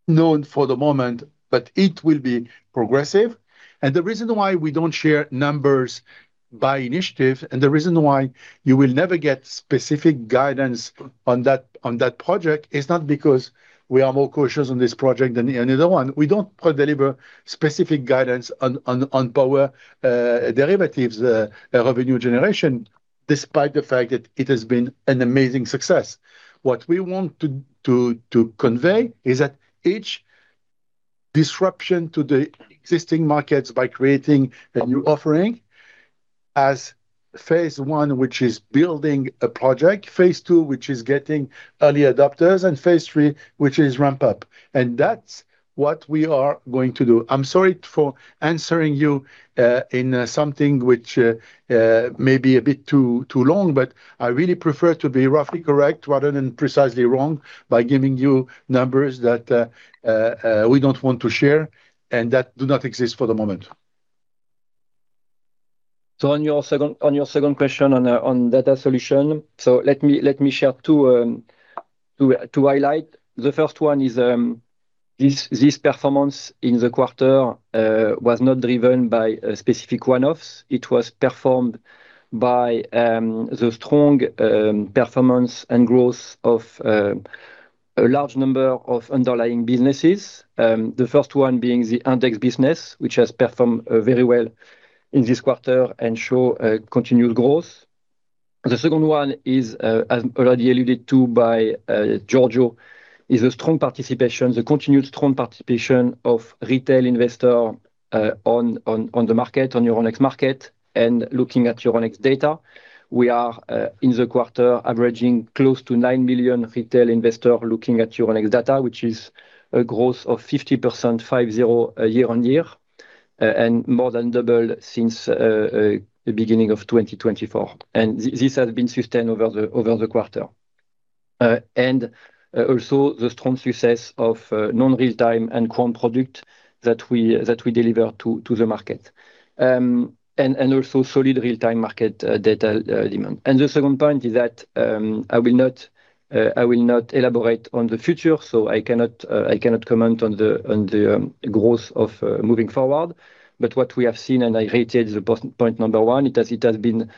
known for the moment, but it will be progressive. The reason why we don't share numbers by initiative, the reason why you will never get specific guidance on that project is not because we are more cautious on this project than any other one. We don't deliver specific guidance on power derivatives revenue generation, despite the fact that it has been an amazing success. What we want to convey is that each disruption to the existing markets by creating a new offering has phase one, which is building a project, phase two, which is getting early adopters, and phase three, which is ramp up. That's what we are going to do. I'm sorry for answering you in something which may be a bit too long, but I really prefer to be roughly correct rather than precisely wrong by giving you numbers that we don't want to share and that do not exist for the moment. On your second question on data solution. Let me share two highlights. The first one is, this performance in the quarter was not driven by specific one-offs. It was performed by the strong performance and growth of a large number of underlying businesses. The first one being the index business, which has performed very well in this quarter and show a continued growth. The second one is, as already alluded to by Giorgio, is the continued strong participation of retail investor on the market, on Euronext market. Looking at Euronext data, we are, in the quarter, averaging close to 9 million retail investors looking at Euronext data, which is a growth of 50%, five zero, year-on-year, and more than double since the beginning of 2024. This has been sustained over the quarter. Also the strong success of non-real time and quant product that we deliver to the market. Also solid real-time market data demand. The second point is that, I will not elaborate on the future. I cannot comment on the growth of moving forward. What we have seen, and I reiterated the point number one, it has been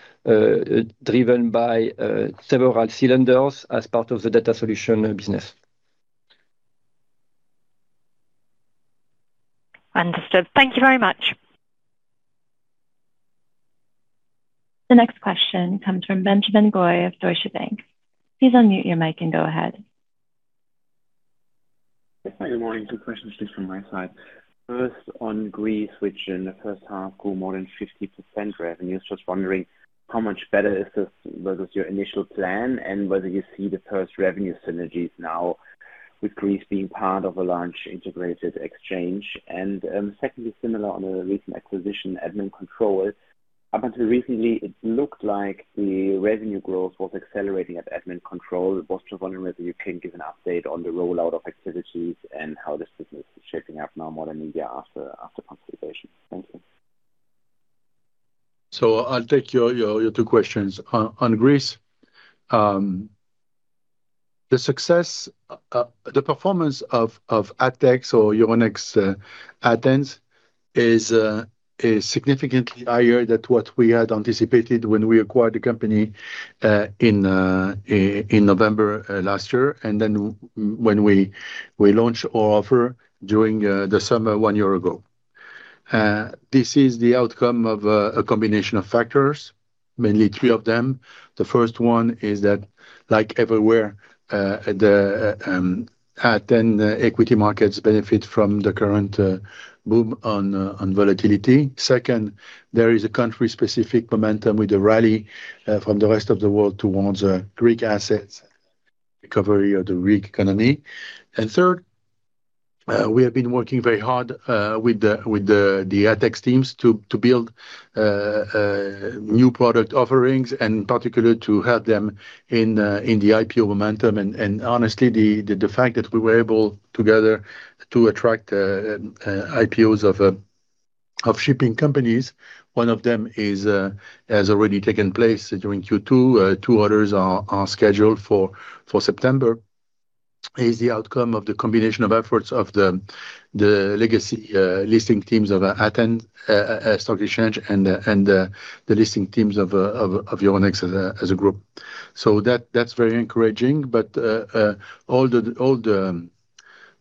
driven by several cylinders as part of the data solution business. Understood. Thank you very much. The next question comes from Benjamin Goy of Deutsche Bank. Please unmute your mic and go ahead. Good morning. Two questions, just from my side. First, on Greece, which in the first half grew more than 50% revenues. Just wondering how much better is this versus your initial plan, and whether you see the first revenue synergies now with Greece being part of a large integrated exchange. Secondly, similar on the recent acquisition, Admincontrol. Up until recently, it looked like the revenue growth was accelerating at Admincontrol. I was just wondering whether you can give an update on the rollout of activities and how this business is shaping up now more than a year after consolidation. Thank you. I'll take your two questions. On Greece, the performance of ATHEX or Euronext Athens is significantly higher than what we had anticipated when we acquired the company in November last year, and when we launched our offer during the summer one year ago. This is the outcome of a combination of factors, mainly three of them. The first one is that, like everywhere, the Athens equity markets benefit from the current boom on volatility. Second, there is a country-specific momentum with the rally from the rest of the world towards Greek assets, recovery of the Greek economy. Third, we have been working very hard with the ATHEX teams to build new product offerings, and in particular to help them in the IPO momentum. Honestly, the fact that we were able, together, to attract IPOs of shipping companies, one of them has already taken place during Q2, two others are scheduled for September, is the outcome of the combination of efforts of the legacy listing teams of Athens Stock Exchange and the listing teams of Euronext as a group. That's very encouraging.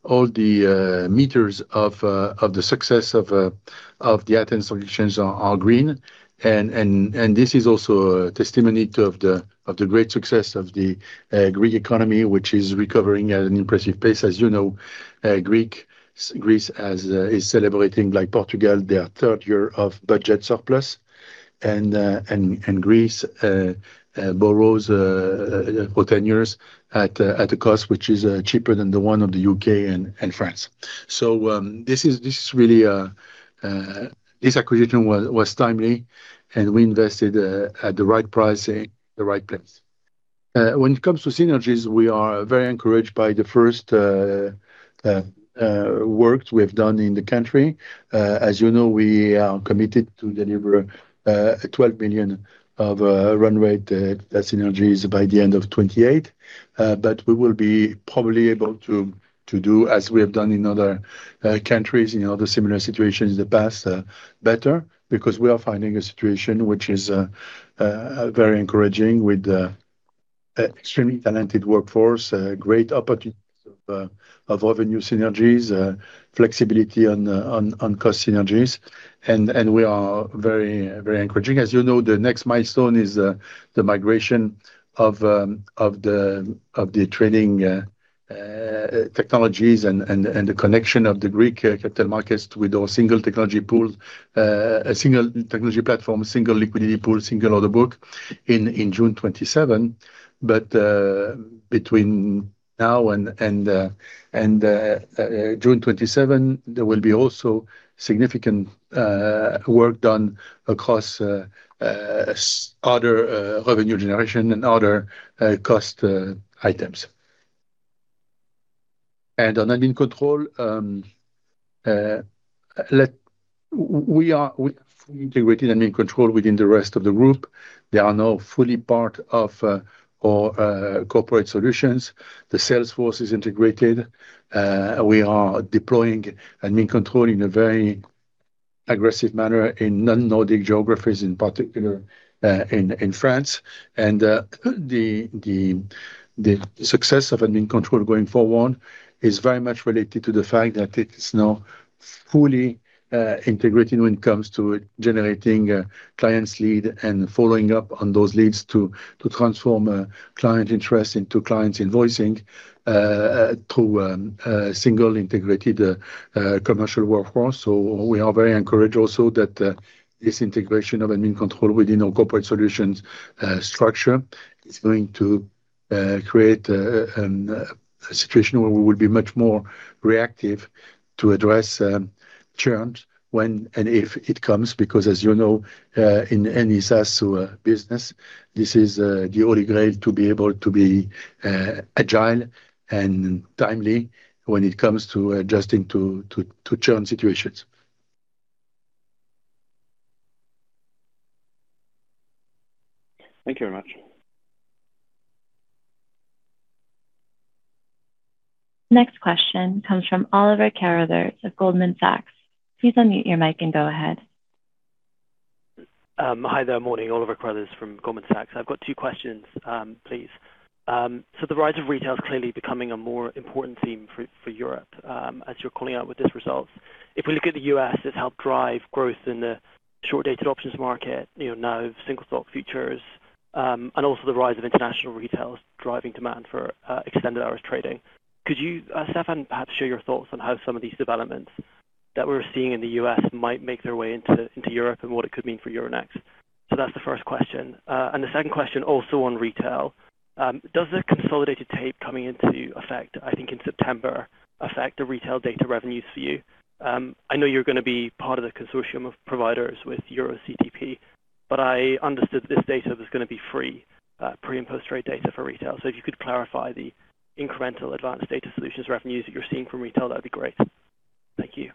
All the meters of the success of the Athens Stock Exchange are green, and this is also a testimony to the great success of the Greek economy, which is recovering at an impressive pace. As you know, Greece is celebrating, like Portugal, their third year of budget surplus. Greece borrows for 10 years at a cost which is cheaper than the one of the U.K. and France. This acquisition was timely, and we invested at the right price in the right place. When it comes to synergies, we are very encouraged by the first work we have done in the country. As you know, we are committed to deliver 12 million of run rate synergies by the end of 2028. We will be probably able to do as we have done in other countries, in other similar situations in the past better, because we are finding a situation which is very encouraging, with extremely talented workforce, great opportunities of revenue synergies, flexibility on cost synergies. We are very encouraging. As you know, the next milestone is the migration of the trading technologies and the connection of the Greek capital markets with our single-technology pool, a single-technology platform, single-liquidity pool, single-order book in June 2027. Between now and June 2027, there will be also significant work done across other revenue generation and other cost items. On Admincontrol, we have integrated Admincontrol within the rest of the group. They are now fully part of our corporate solutions. The sales force is integrated. We are deploying Admincontrol in a very aggressive manner in non-Nordic geographies, in particular in France. The success of Admincontrol going forward is very much related to the fact that it is now fully integrated when it comes to generating a client's lead and following up on those leads to transform client interest into clients invoicing through a single integrated commercial workforce. We are very encouraged also that this integration of Admincontrol within our corporate solutions structure is going to create a situation where we will be much more reactive to address churns when and if it comes, because as you know, in any SaaS business, this is the Holy Grail to be able to be agile and timely when it comes to adjusting to churn situations. Thank you very much. Next question comes from Oliver Carruthers of Goldman Sachs. Please unmute your mic and go ahead. Hi there. Morning. Oliver Carruthers from Goldman Sachs. I've got two questions, please. The rise of retail is clearly becoming a more important theme for Europe, as you're calling out with these results. If we look at the U.S., it's helped drive growth in the short-dated options market, now single-stock futures, and also the rise of international retail is driving demand for extended hours trading. Could you, Stéphane, perhaps share your thoughts on how some of these developments that we're seeing in the U.S. might make their way into Europe, and what it could mean for Euronext? That's the first question. The second question also on retail. Does the consolidated tape coming into effect, I think in September, affect the retail data revenues for you? I know you're going to be part of the consortium of providers with EuroCTP, but I understood this data was going to be free, pre and post-trade data for retail. If you could clarify the incremental advanced data solutions revenues that you're seeing from retail, that'd be great. Thank you.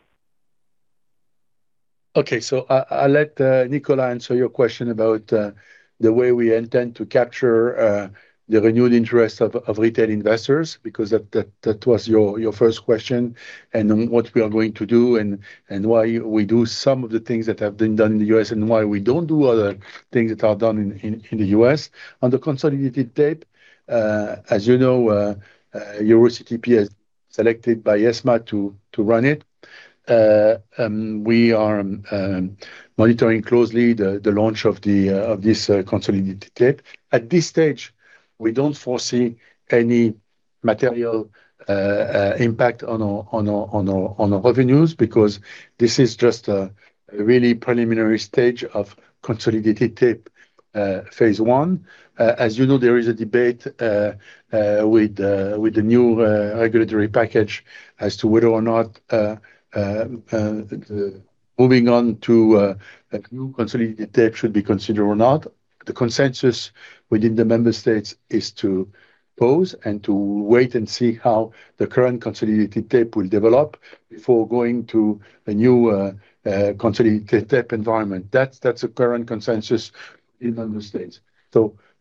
I'll let Nicolas answer your question about the way we intend to capture the renewed interest of retail investors, because that was your first question, and what we are going to do and why we do some of the things that have been done in the U.S. and why we don't do other things that are done in the U.S. On the consolidated tape, as you know, EuroCTP has selected by ESMA to run it. We are monitoring closely the launch of this consolidated tape. At this stage, we don't foresee any material impact on our revenues because this is just a really preliminary stage of consolidated tape phase one. As you know, there is a debate with the new regulatory package as to whether or not moving on to a new consolidated tape should be considered or not. The consensus within the member states is to pause and to wait and see how the current consolidated tape will develop before going to a new consolidated tape environment. That's the current consensus in the United States.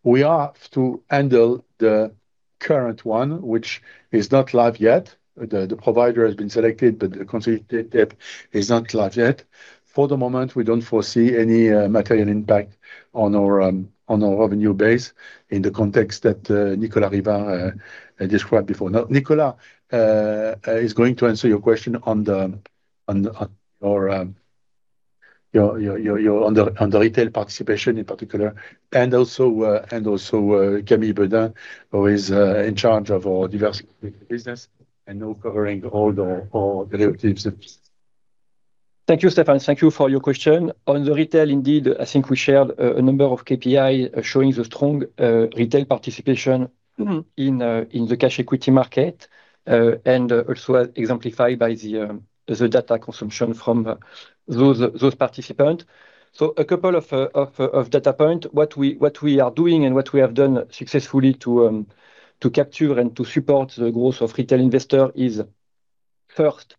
We are to handle the current one, which is not live yet. The provider has been selected, the consolidated tape is not live yet. For the moment, we don't foresee any material impact on our revenue base in the context that Nicolas Rivard described before. Nicolas is going to answer your question on the retail participation in particular, and also Camille Beudin, who is in charge of our diversification business and now covering all the derivatives. Thank you, Stéphane. Thank you for your question. On the retail, indeed, I think we shared a number of KPI showing the strong retail participation in the cash equity market, and also exemplified by the data consumption from those participants. A couple of data points, what we are doing and what we have done successfully to capture and to support the growth of retail investors is, first,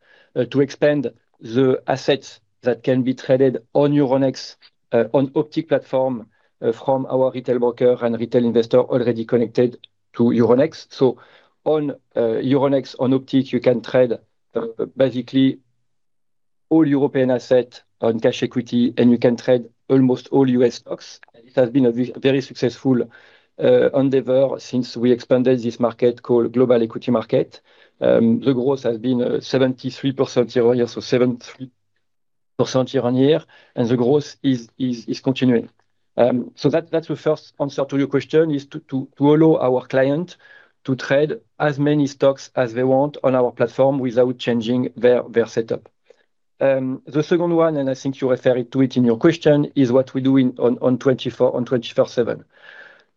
to expand the assets that can be traded on Euronext, on Optiq platform, from our retail brokers and retail investors already connected to Euronext. On Euronext, on Optiq, you can trade basically all European assets on cash equity, and you can trade almost all U.S. stocks. It has been a very successful endeavor since we expanded this market called Global Equity Market. The growth has been 73% year-on-year, the growth is continuing. That's the first answer to your question is to allow our clients to trade as many stocks as they want on our platform without changing their setup. The second one, I think you referred to it in your question, is what we do on 24/7.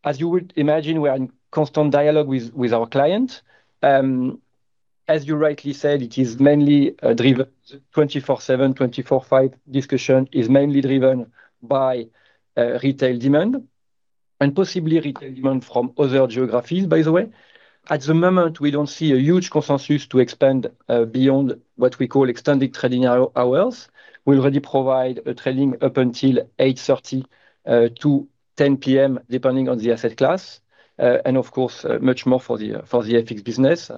As you would imagine, we are in constant dialogue with our clients. As you rightly said, it is mainly driven, 24/7, 24/5 discussion is mainly driven by retail demand, possibly retail demand from other geographies, by the way. At the moment, we don't see a huge consensus to expand beyond what we call extended trading hours. We already provide a trading up until 8:30 P.M. to 10:00 P.M., depending on the asset class. Of course, much more for the FX business,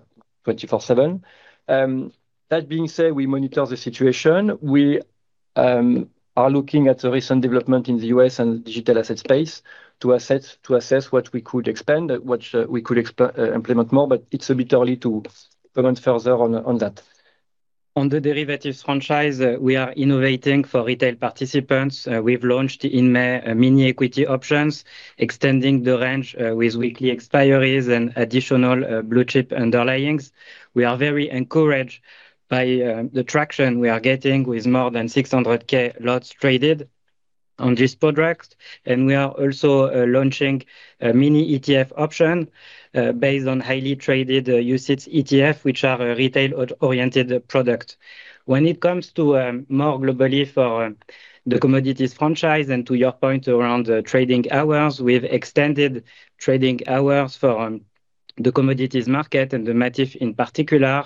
24/7. That being said, we monitor the situation. We are looking at the recent development in the U.S. and digital asset space to assess what we could expand, what we could implement more, it's a bit early to comment further on that. On the derivatives franchise, we are innovating for retail participants. We've launched in May mini equity options, extending the range with weekly expiries and additional blue chip underlyings. We are very encouraged by the traction we are getting with more than 600,000 lots traded on this product. We are also launching a mini ETF option based on highly traded UCITS ETF, which are a retail-oriented product. When it comes to more globally for the commodities franchise and to your point around trading hours, we've extended trading hours for the commodities market and the MATIF in particular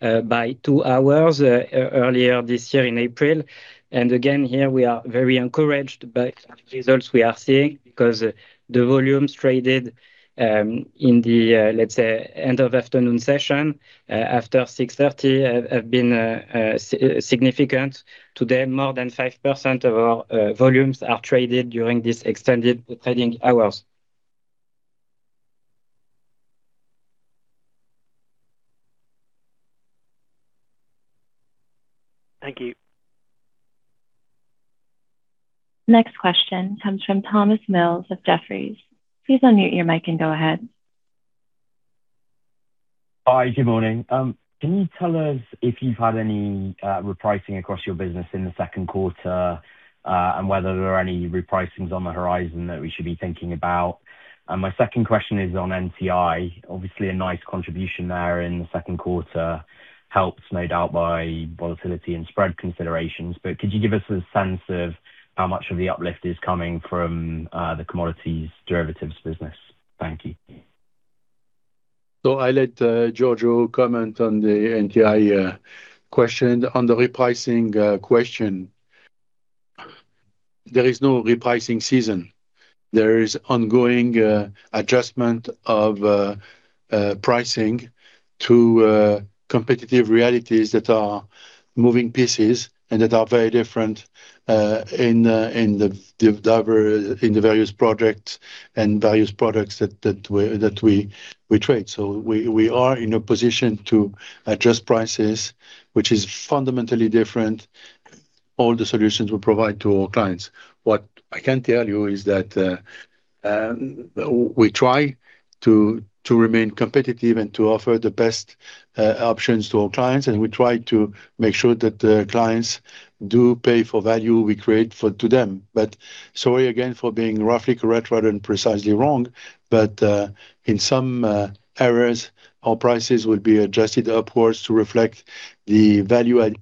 by two hours earlier this year in April. Again, here we are very encouraged by the results we are seeing because the volumes traded in the, let's say, end of afternoon session after 6:30 P.M. have been significant. Today, more than 5% of our volumes are traded during this extended trading hours. Thank you. Next question comes from Thomas Mills of Jefferies. Please unmute your mic and go ahead. Hi. Good morning. Can you tell us if you've had any repricing across your business in the second quarter, and whether there are any repricings on the horizon that we should be thinking about? My second question is on NTI. Obviously, a nice contribution there in the second quarter, helped no doubt by volatility and spread considerations. Could you give us a sense of how much of the uplift is coming from the commodities derivatives business? Thank you. I let Giorgio comment on the NTI question. On the repricing question, there is no repricing season. There is ongoing adjustment of pricing to competitive realities that are moving pieces, and that are very different in the various projects and various products that we trade. We are in a position to adjust prices, which is fundamentally different, all the solutions we provide to our clients. What I can tell you is that we try to remain competitive and to offer the best options to our clients, and we try to make sure that the clients do pay for value we create to them. Sorry again for being roughly correct rather than precisely wrong. In some areas, our prices will be adjusted upwards to reflect the value add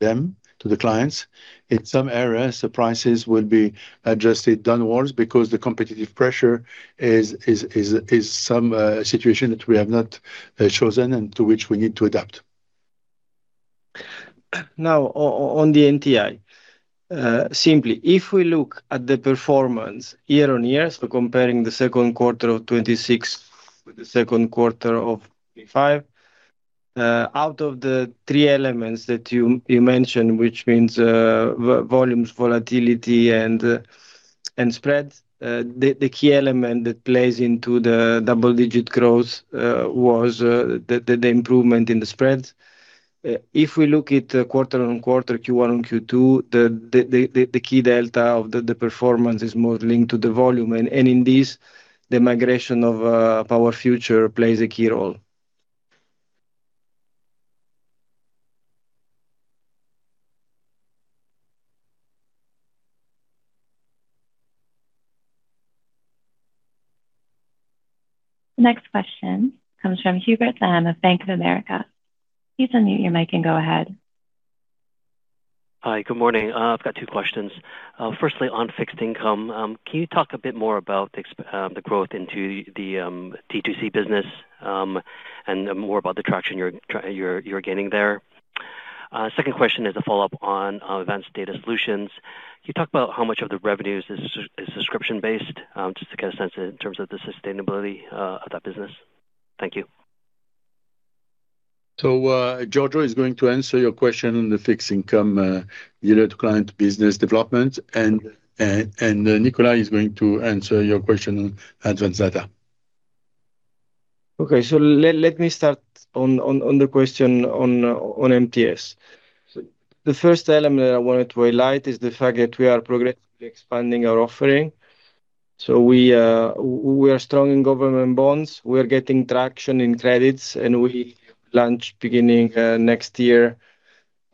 to the clients. In some areas, the prices will be adjusted downwards because the competitive pressure is some situation that we have not chosen and to which we need to adapt. On the NTI. Simply, if we look at the performance year-over-year, comparing the second quarter of 2026 with the second quarter of 2025. Out of the three elements that you mentioned, which means volumes, volatility, and spread, the key element that plays into the double-digit growth was the improvement in the spread. If we look at quarter-on-quarter, Q1 on Q2, the key delta of the performance is more linked to the volume. In this, the migration of power futures plays a key role. Next question comes from Hubert Lam of Bank of America. Please unmute your mic and go ahead. Hi. Good morning. I've got two questions. Firstly, on fixed income, can you talk a bit more about the growth into the D2C business, and more about the traction you're gaining there? Second question is a follow-up on advanced data solutions. Can you talk about how much of the revenues is subscription-based? just to get a sense in terms of the sustainability of that business. Thank you. Giorgio is going to answer your question on the fixed income unit client business development, and Nicolas is going to answer your question on advanced data. Let me start on the question on MTS. The first element that I wanted to highlight is the fact that we are progressively expanding our offering. We are strong in government bonds. We are getting traction in credits, and we launch beginning next year,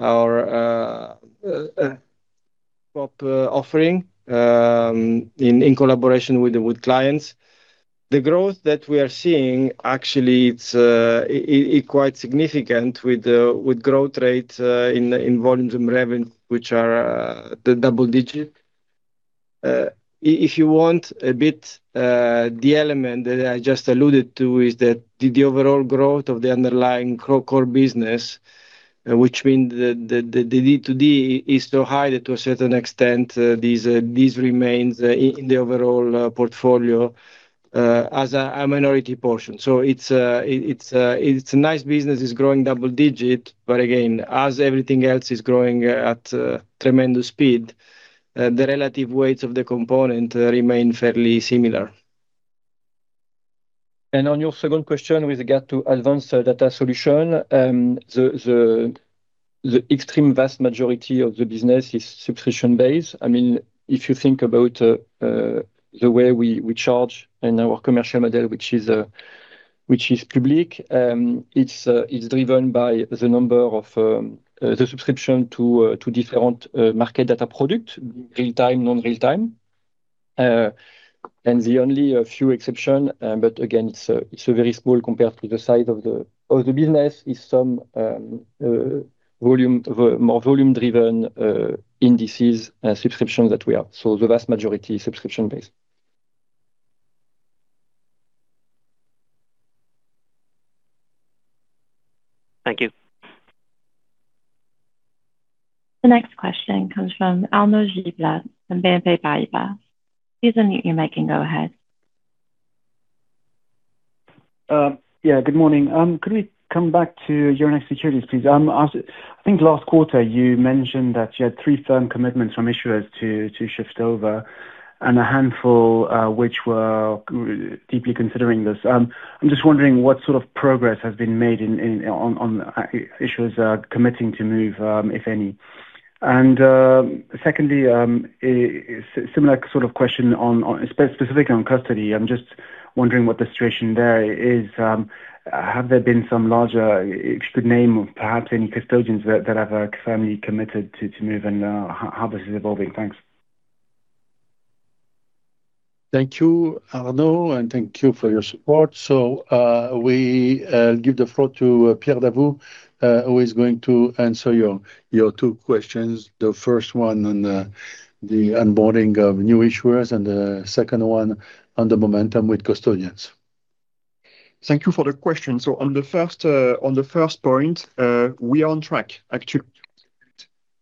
our repo offering, in collaboration with clients. The growth that we are seeing, actually, it's quite significant with growth rate in volume revenue, which are the double-digit. If you want a bit, the element that I just alluded to is that the overall growth of the underlying core business, which means the D2D is still high to a certain extent. This remains in the overall portfolio, as a minority portion. It's a nice business. It's growing double-digit. As everything else is growing at tremendous speed, the relative weights of the component remain fairly similar. On your second question with regard to advanced data solution, the extreme vast majority of the business is subscription-based. If you think about the way we charge in our commercial model, which is public. It's driven by the number of the subscription to different market data product, real-time, non-real-time. The only few exceptions, but again, it's very small compared to the size of the business, is some more volume-driven indices subscription that we have. The vast majority is subscription-based. Thank you. The next question comes from Arnaud Giblat from BNP Paribas. Please unmute your mic and go ahead. Good morning. Could we come back to Euronext Securities, please? I think last quarter you mentioned that you had three firm commitments from issuers to shift over, and a handful, which were deeply considering this. I am just wondering what sort of progress has been made on issuers committing to move, if any. Secondly, similar sort of question specific on custody. I am just wondering what the situation there is. You could name perhaps any custodians that have firmly committed to move and how this is evolving. Thanks. Thank you, Arnaud, and thank you for your support. We give the floor to Pierre Davoust, who is going to answer your two questions. The first one on the onboarding of new issuers, and the second one on the momentum with custodians. Thank you for the question. On the first point, we are on track. Actually,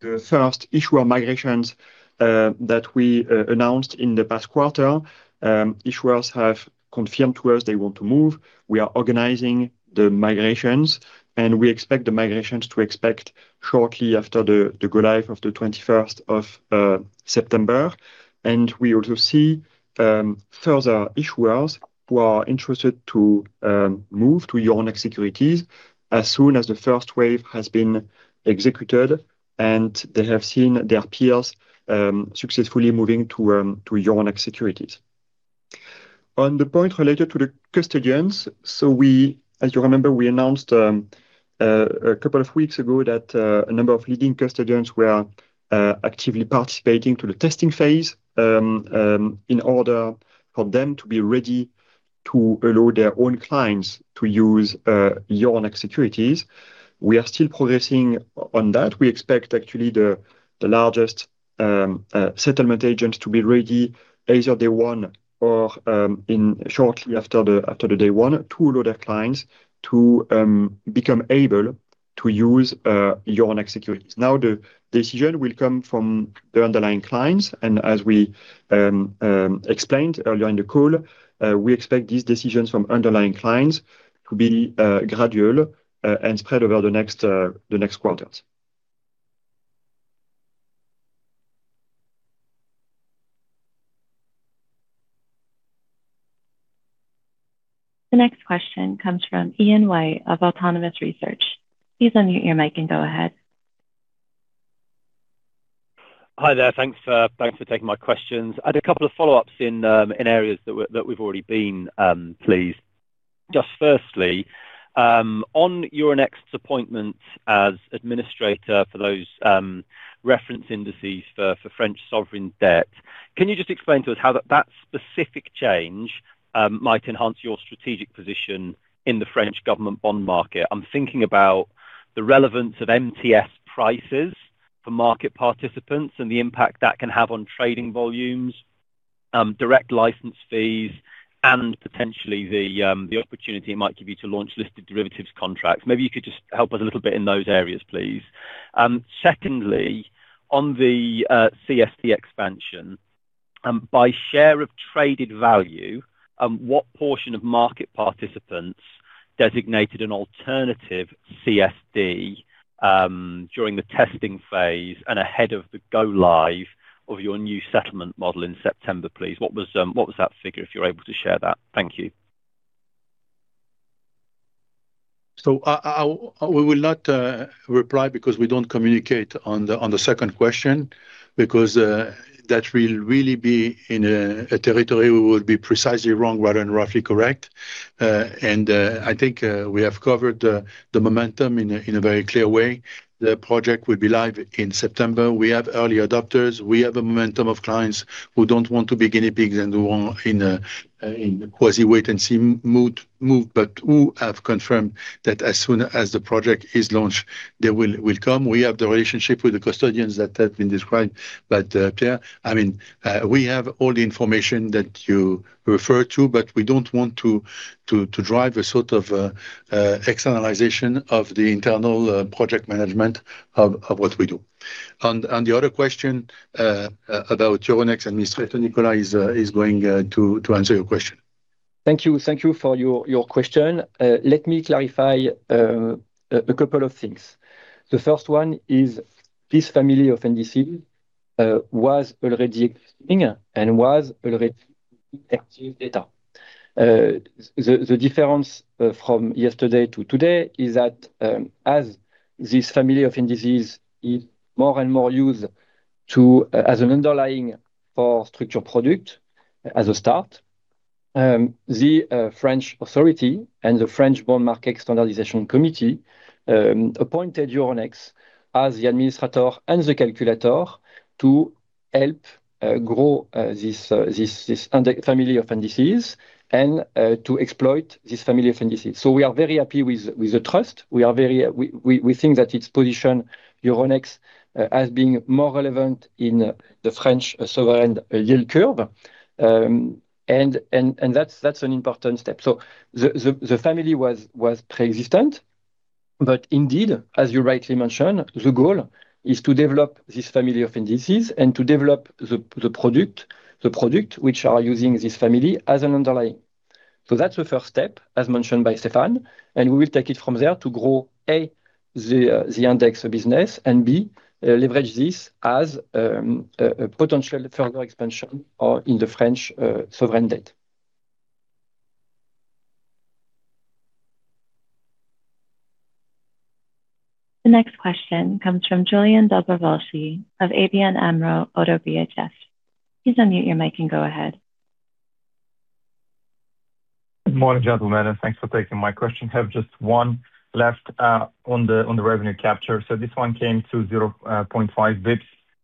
the first issuer migrations that we announced in the past quarter, issuers have confirmed to us they want to move. We are organizing the migrations, and we expect the migrations shortly after the go-live of the 21st of September. We also see further issuers who are interested to move to Euronext Securities as soon as the first wave has been executed, and they have seen their peers successfully moving to Euronext Securities. On the point related to the custodians, as you remember, we announced a couple of weeks ago that a number of leading custodians were actively participating in the testing phase in order for them to be ready to allow their own clients to use Euronext Securities. We are still progressing on that. We expect actually the largest settlement agents to be ready either day one or shortly after the day one to allow their clients to become able to use Euronext Securities. The decision will come from the underlying clients. As we explained earlier in the call, we expect these decisions from underlying clients to be gradual and spread over the next quarters. The next question comes from Ian White of Autonomous Research. Please unmute your mic and go ahead. Hi there. Thanks for taking my questions. I had a couple of follow-ups in areas that we've already been, please. Firstly, on Euronext's appointment as administrator for those reference indices for French sovereign debt, can you just explain to us how that specific change might enhance your strategic position in the French government bond market? I'm thinking about the relevance of MTS prices for market participants and the impact that can have on trading volumes, direct license fees, and potentially the opportunity it might give you to launch listed derivatives contracts. Maybe you could just help us a little bit in those areas, please. Secondly, on the CSD expansion, by share of traded value, what portion of market participants designated an alternative CSD during the testing phase and ahead of the go-live of your new settlement model in September, please? What was that figure, if you are able to share that? Thank you. We will not reply because we do not communicate on the second question, because that will really be in a territory we would be precisely wrong rather than roughly correct. I think we have covered the momentum in a very clear way. The project will be live in September. We have early adopters. We have a momentum of clients who do not want to be guinea pigs and who are in a quasi wait-and-see mood, but who have confirmed that as soon as the project is launched, they will come. We have the relationship with the custodians that have been described. We have all the information that you refer to, but we do not want to drive a sort of externalization of the internal project management of what we do. The other question about Euronext administrator, Nicolas is going to answer your question. Thank you for your question. Let me clarify a couple of things. The first one is this family of indices was already existing and was already active data. The difference from yesterday to today is that as this family of indices is more and more used as an underlying for structure product as a start, the French authority and the French Bond Market Standardisation Committee appointed Euronext as the administrator and the calculator to help grow this family of indices and to exploit this family of indices. We are very happy with the trust. We think that this position Euronext as being more relevant in the French sovereign yield curve, and that is an important step. The family was preexistent, but indeed, as you rightly mentioned, the goal is to develop this family of indices and to develop the product which are using this family as an underlying. That is the first step, as mentioned by Stéphane, and we will take it from there to grow, A, the index business, and, B, leverage this as a potential further expansion or in the French sovereign debt. The next question comes from Julian Dobrovolschi of ABN AMRO - ODDO BHF. Please unmute your mic and go ahead. Good morning, gentlemen, and thanks for taking my question. I have just one left on the revenue capture. This one came to 0.5 basis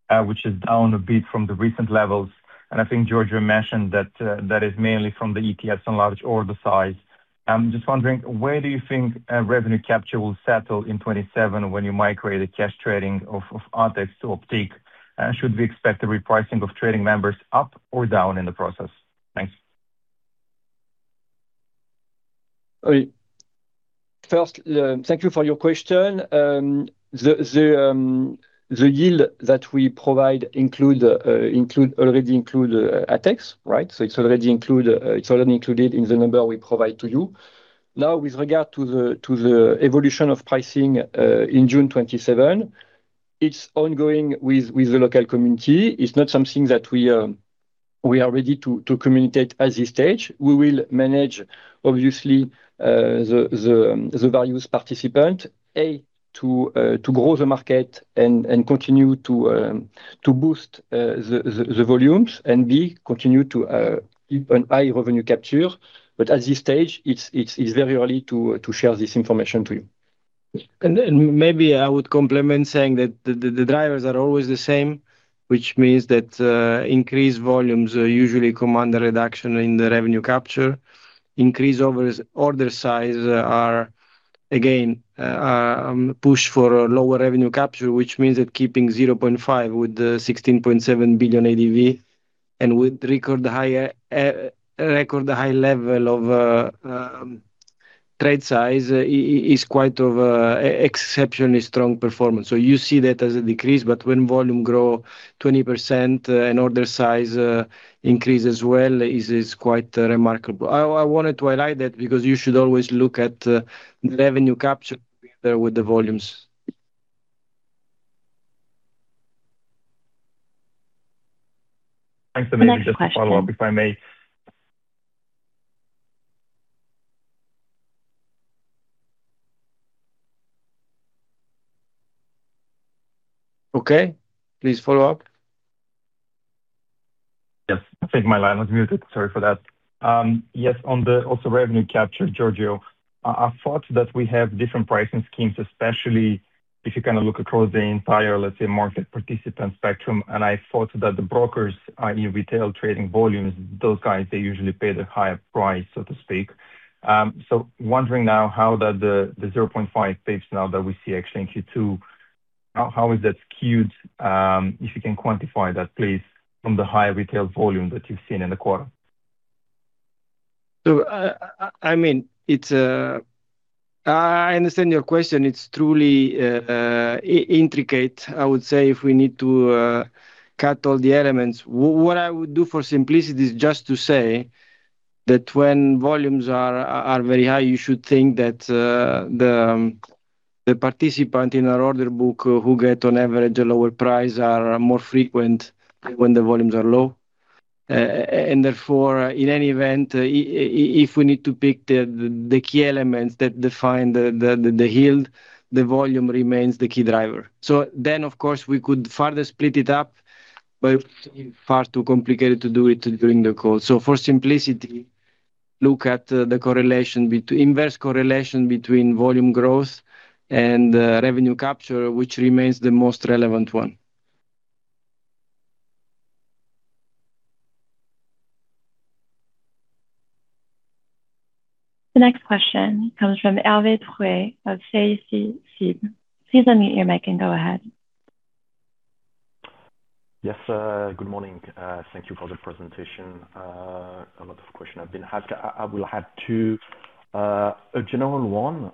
points, which is down a bit from the recent levels. I think Giorgio mentioned that that is mainly from the ETFs and large order size. I'm just wondering, where do you think revenue capture will settle in 2027 when you migrate a cash trading of ATHEX to Optiq? Should we expect the repricing of trading members up or down in the process? Thanks. First, thank you for your question. The yield that we provide already include a tax. It's already included in the number we provide to you. Now, with regard to the evolution of pricing in June 2027, it's ongoing with the local community. It's not something that we are ready to communicate at this stage. We will manage, obviously, the various participant, A, to grow the market and continue to boost the volumes, and, B, continue to keep a high revenue capture. At this stage, it's very early to share this information to you. Maybe I would complement saying that the drivers are always the same, which means that increased volumes usually command a reduction in the revenue capture. Increased order sizes are, again, a push for a lower revenue capture, which means that keeping 0.5 basis points with the 16.7 billion ADV and with record high level of trade size is quite an exceptionally strong performance. You see that as a decrease, but when volume grow 20% and order size increase as well, it is quite remarkable. I wanted to highlight that because you should always look at the revenue capture together with the volumes. Thanks. Maybe just a follow-up, if I may. Please follow up. On the revenue capture, Giorgio, I thought that we have different pricing schemes, especially if you look across the entire, let's say, market participant spectrum. I thought that the brokers in retail trading volumes, those guys, they usually pay the higher price, so to speak. Wondering now how that the 0.5 basis points now that we see in Q2, how is that skewed. If you can quantify that, please, from the higher retail volume that you've seen in the quarter. I understand your question. It's truly intricate, I would say, if we need to cut all the elements. What I would do for simplicity is just to say that when volumes are very high, you should think that the participant in our order book who get on average a lower price are more frequent when the volumes are low. Therefore, in any event, if we need to pick the key elements that define the yield, the volume remains the key driver. Of course, we could further split it up, but it would seem far too complicated to do it during the call. For simplicity, look at the inverse correlation between volume growth and revenue capture, which remains the most relevant one. The next question comes from Hervé Drouet of CIC. Please unmute your mic and go ahead. Good morning. Thank you for the presentation. A lot of question I've been had. I will add two. A general one,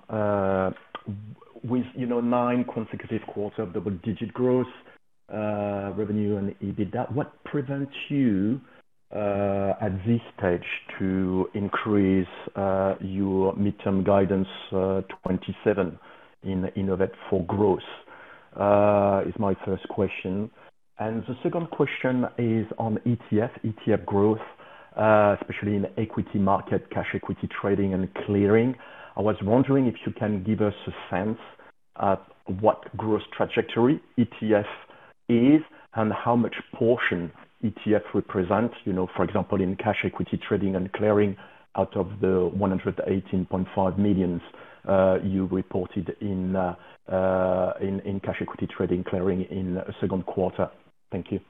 with nine consecutive quarters of double-digit growth, revenue, and EBITDA, what prevents you, at this stage, to increase your midterm guidance 2027 in Innovate for Growth? Is my first question. The second question is on ETF growth, especially in equity market, cash equity trading, and clearing. I was wondering if you can give us a sense at what growth trajectory ETF is and how much portion ETF represents, for example, in cash equity trading and clearing out of the 118.5 million you reported in cash equity trading clearing in the second quarter. Thank you.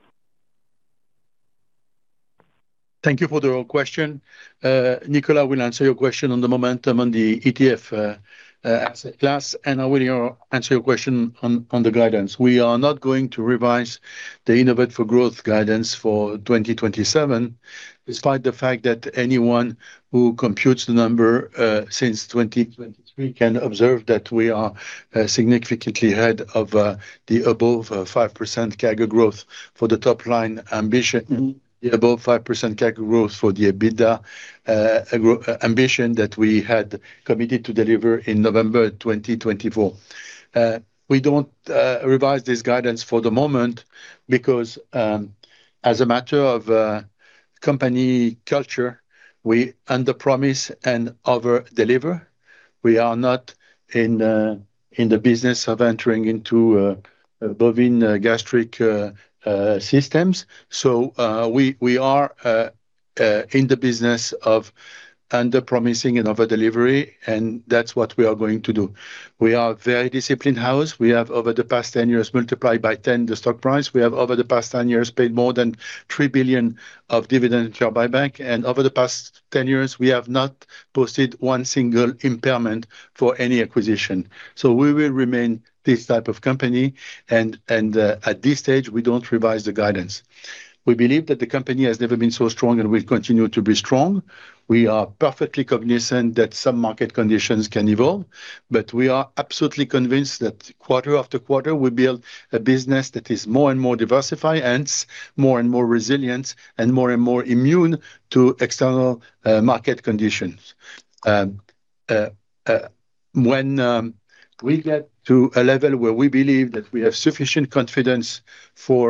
Thank you for the question. Nicolas will answer your question on the momentum on the ETF asset class. I will answer your question on the guidance. We are not going to revise the Innovate for Growth guidance for 2027, despite the fact that anyone who computes the number since 2023 can observe that we are significantly ahead of the above 5% CAGR growth for the top-line ambition, the above 5% CAGR growth for the EBITDA ambition that we had committed to deliver in November 2024. We don't revise this guidance for the moment because, as a matter of company culture, we underpromise and overdeliver. We are not in the business of entering into bovine gastric systems. We are in the business of underpromising and overdelivering. That's what we are going to do. We are a very disciplined house. We have, over the past 10 years, multiplied by 10 the stock price. We have, over the past 10 years, paid more than 3 billion of dividend share buyback. Over the past 10 years, we have not posted one single impairment for any acquisition. We will remain this type of company. At this stage, we don't revise the guidance. We believe that the company has never been so strong. Will continue to be strong. We are perfectly cognizant that some market conditions can evolve. We are absolutely convinced that quarter after quarter, we build a business that is more and more diversified, hence more and more resilient and more and more immune to external market conditions. When we get to a level where we believe that we have sufficient confidence for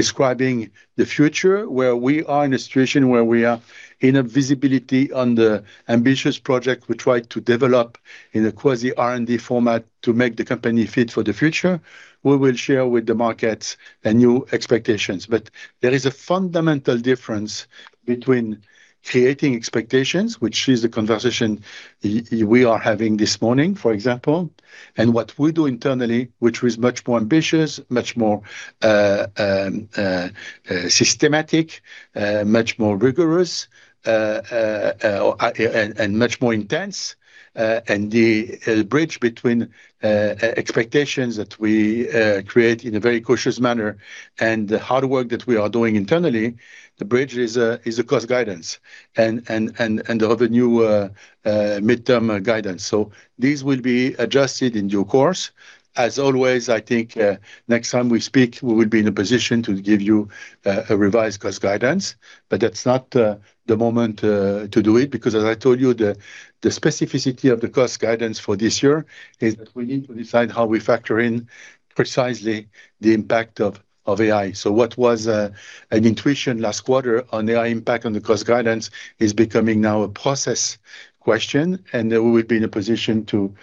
describing the future, where we are in a situation where we are in a visibility on the ambitious project we try to develop in a quasi R&D format to make the company fit for the future, we will share with the market the new expectations. There is a fundamental difference between creating expectations, which is the conversation we are having this morning, for example, and what we do internally, which is much more ambitious, much more systematic, much more rigorous, and much more intense. The bridge between expectations that we create in a very cautious manner and the hard work that we are doing internally, the bridge is a cost guidance and the other new midterm guidance. These will be adjusted in due course. As always, I think next time we speak, we will be in a position to give you a revised cost guidance. That's not the moment to do it, because as I told you, the specificity of the cost guidance for this year is that we need to decide how we factor in precisely the impact of AI. What was an intuition last quarter on AI impact on the cost guidance is becoming now a process question, and we will be in a position to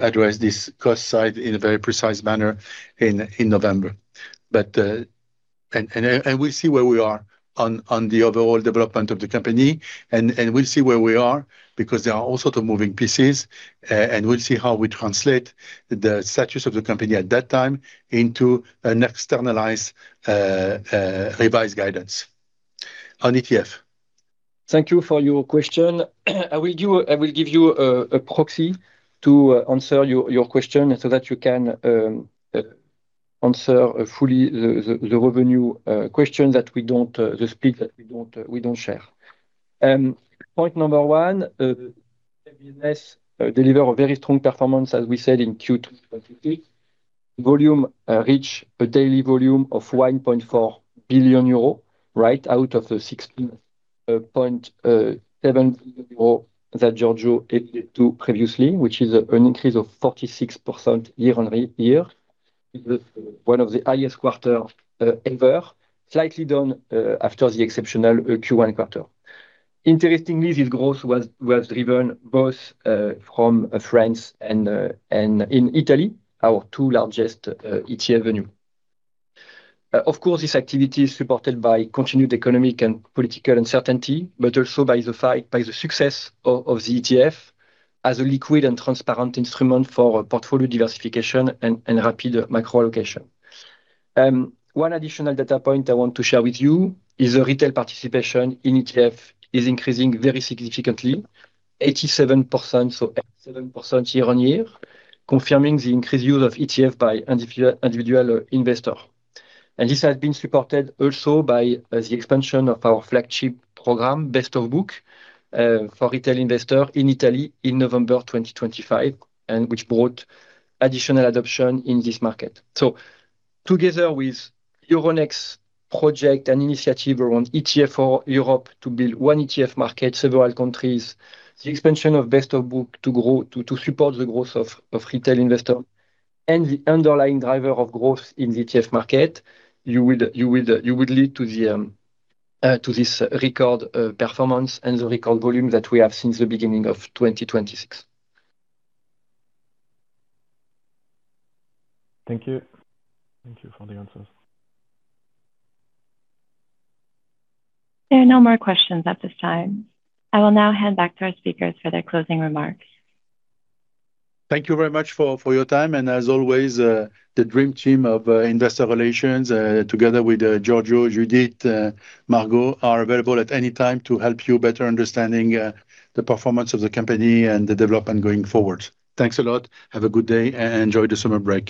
address this cost side in a very precise manner in November. We'll see where we are on the overall development of the company, and we'll see where we are because there are all sorts of moving pieces, and we'll see how we translate the status of the company at that time into an externalized revised guidance. On ETF. Thank you for your question. I will give you a proxy to answer your question so that you can answer fully the revenue question, the split that we don't share. Point number one, the business deliver a very strong performance, as we said, in Q2 2026. Volume reach a daily volume of 1.4 billion euro out of the 16.7 billion euro that Giorgio alluded to previously, which is an increase of 46% year-over-year. It was one of the highest quarter ever, slightly down after the exceptional Q1 quarter. Interestingly, this growth was driven both from France and in Italy, our two largest ETF venue. Of course, this activity is supported by continued economic and political uncertainty, but also by the success of the ETF as a liquid and transparent instrument for portfolio diversification and rapid micro allocation. One additional data point I want to share with you is the retail participation in ETF is increasing very significantly. 87% year-over-year, confirming the increased use of ETF by individual investor. This has been supported also by the expansion of our flagship program, Best of Book, for retail investor in Italy in November 2025, and which brought additional adoption in this market. Together with Euronext project and initiative around ETF Europe to build one ETF market, several countries, the expansion of Best of Book to support the growth of retail investor, and the underlying driver of growth in the ETF market, you would lead to this record performance and the record volume that we have since the beginning of 2026. Thank you. Thank you for the answers. There are no more questions at this time. I will now hand back to our speakers for their closing remarks. Thank you very much for your time. As always, the dream team of investor relations, together with Giorgio, Judith, Margaux, are available at any time to help you better understanding the performance of the company and the development going forward. Thanks a lot. Have a good day, and enjoy the summer break.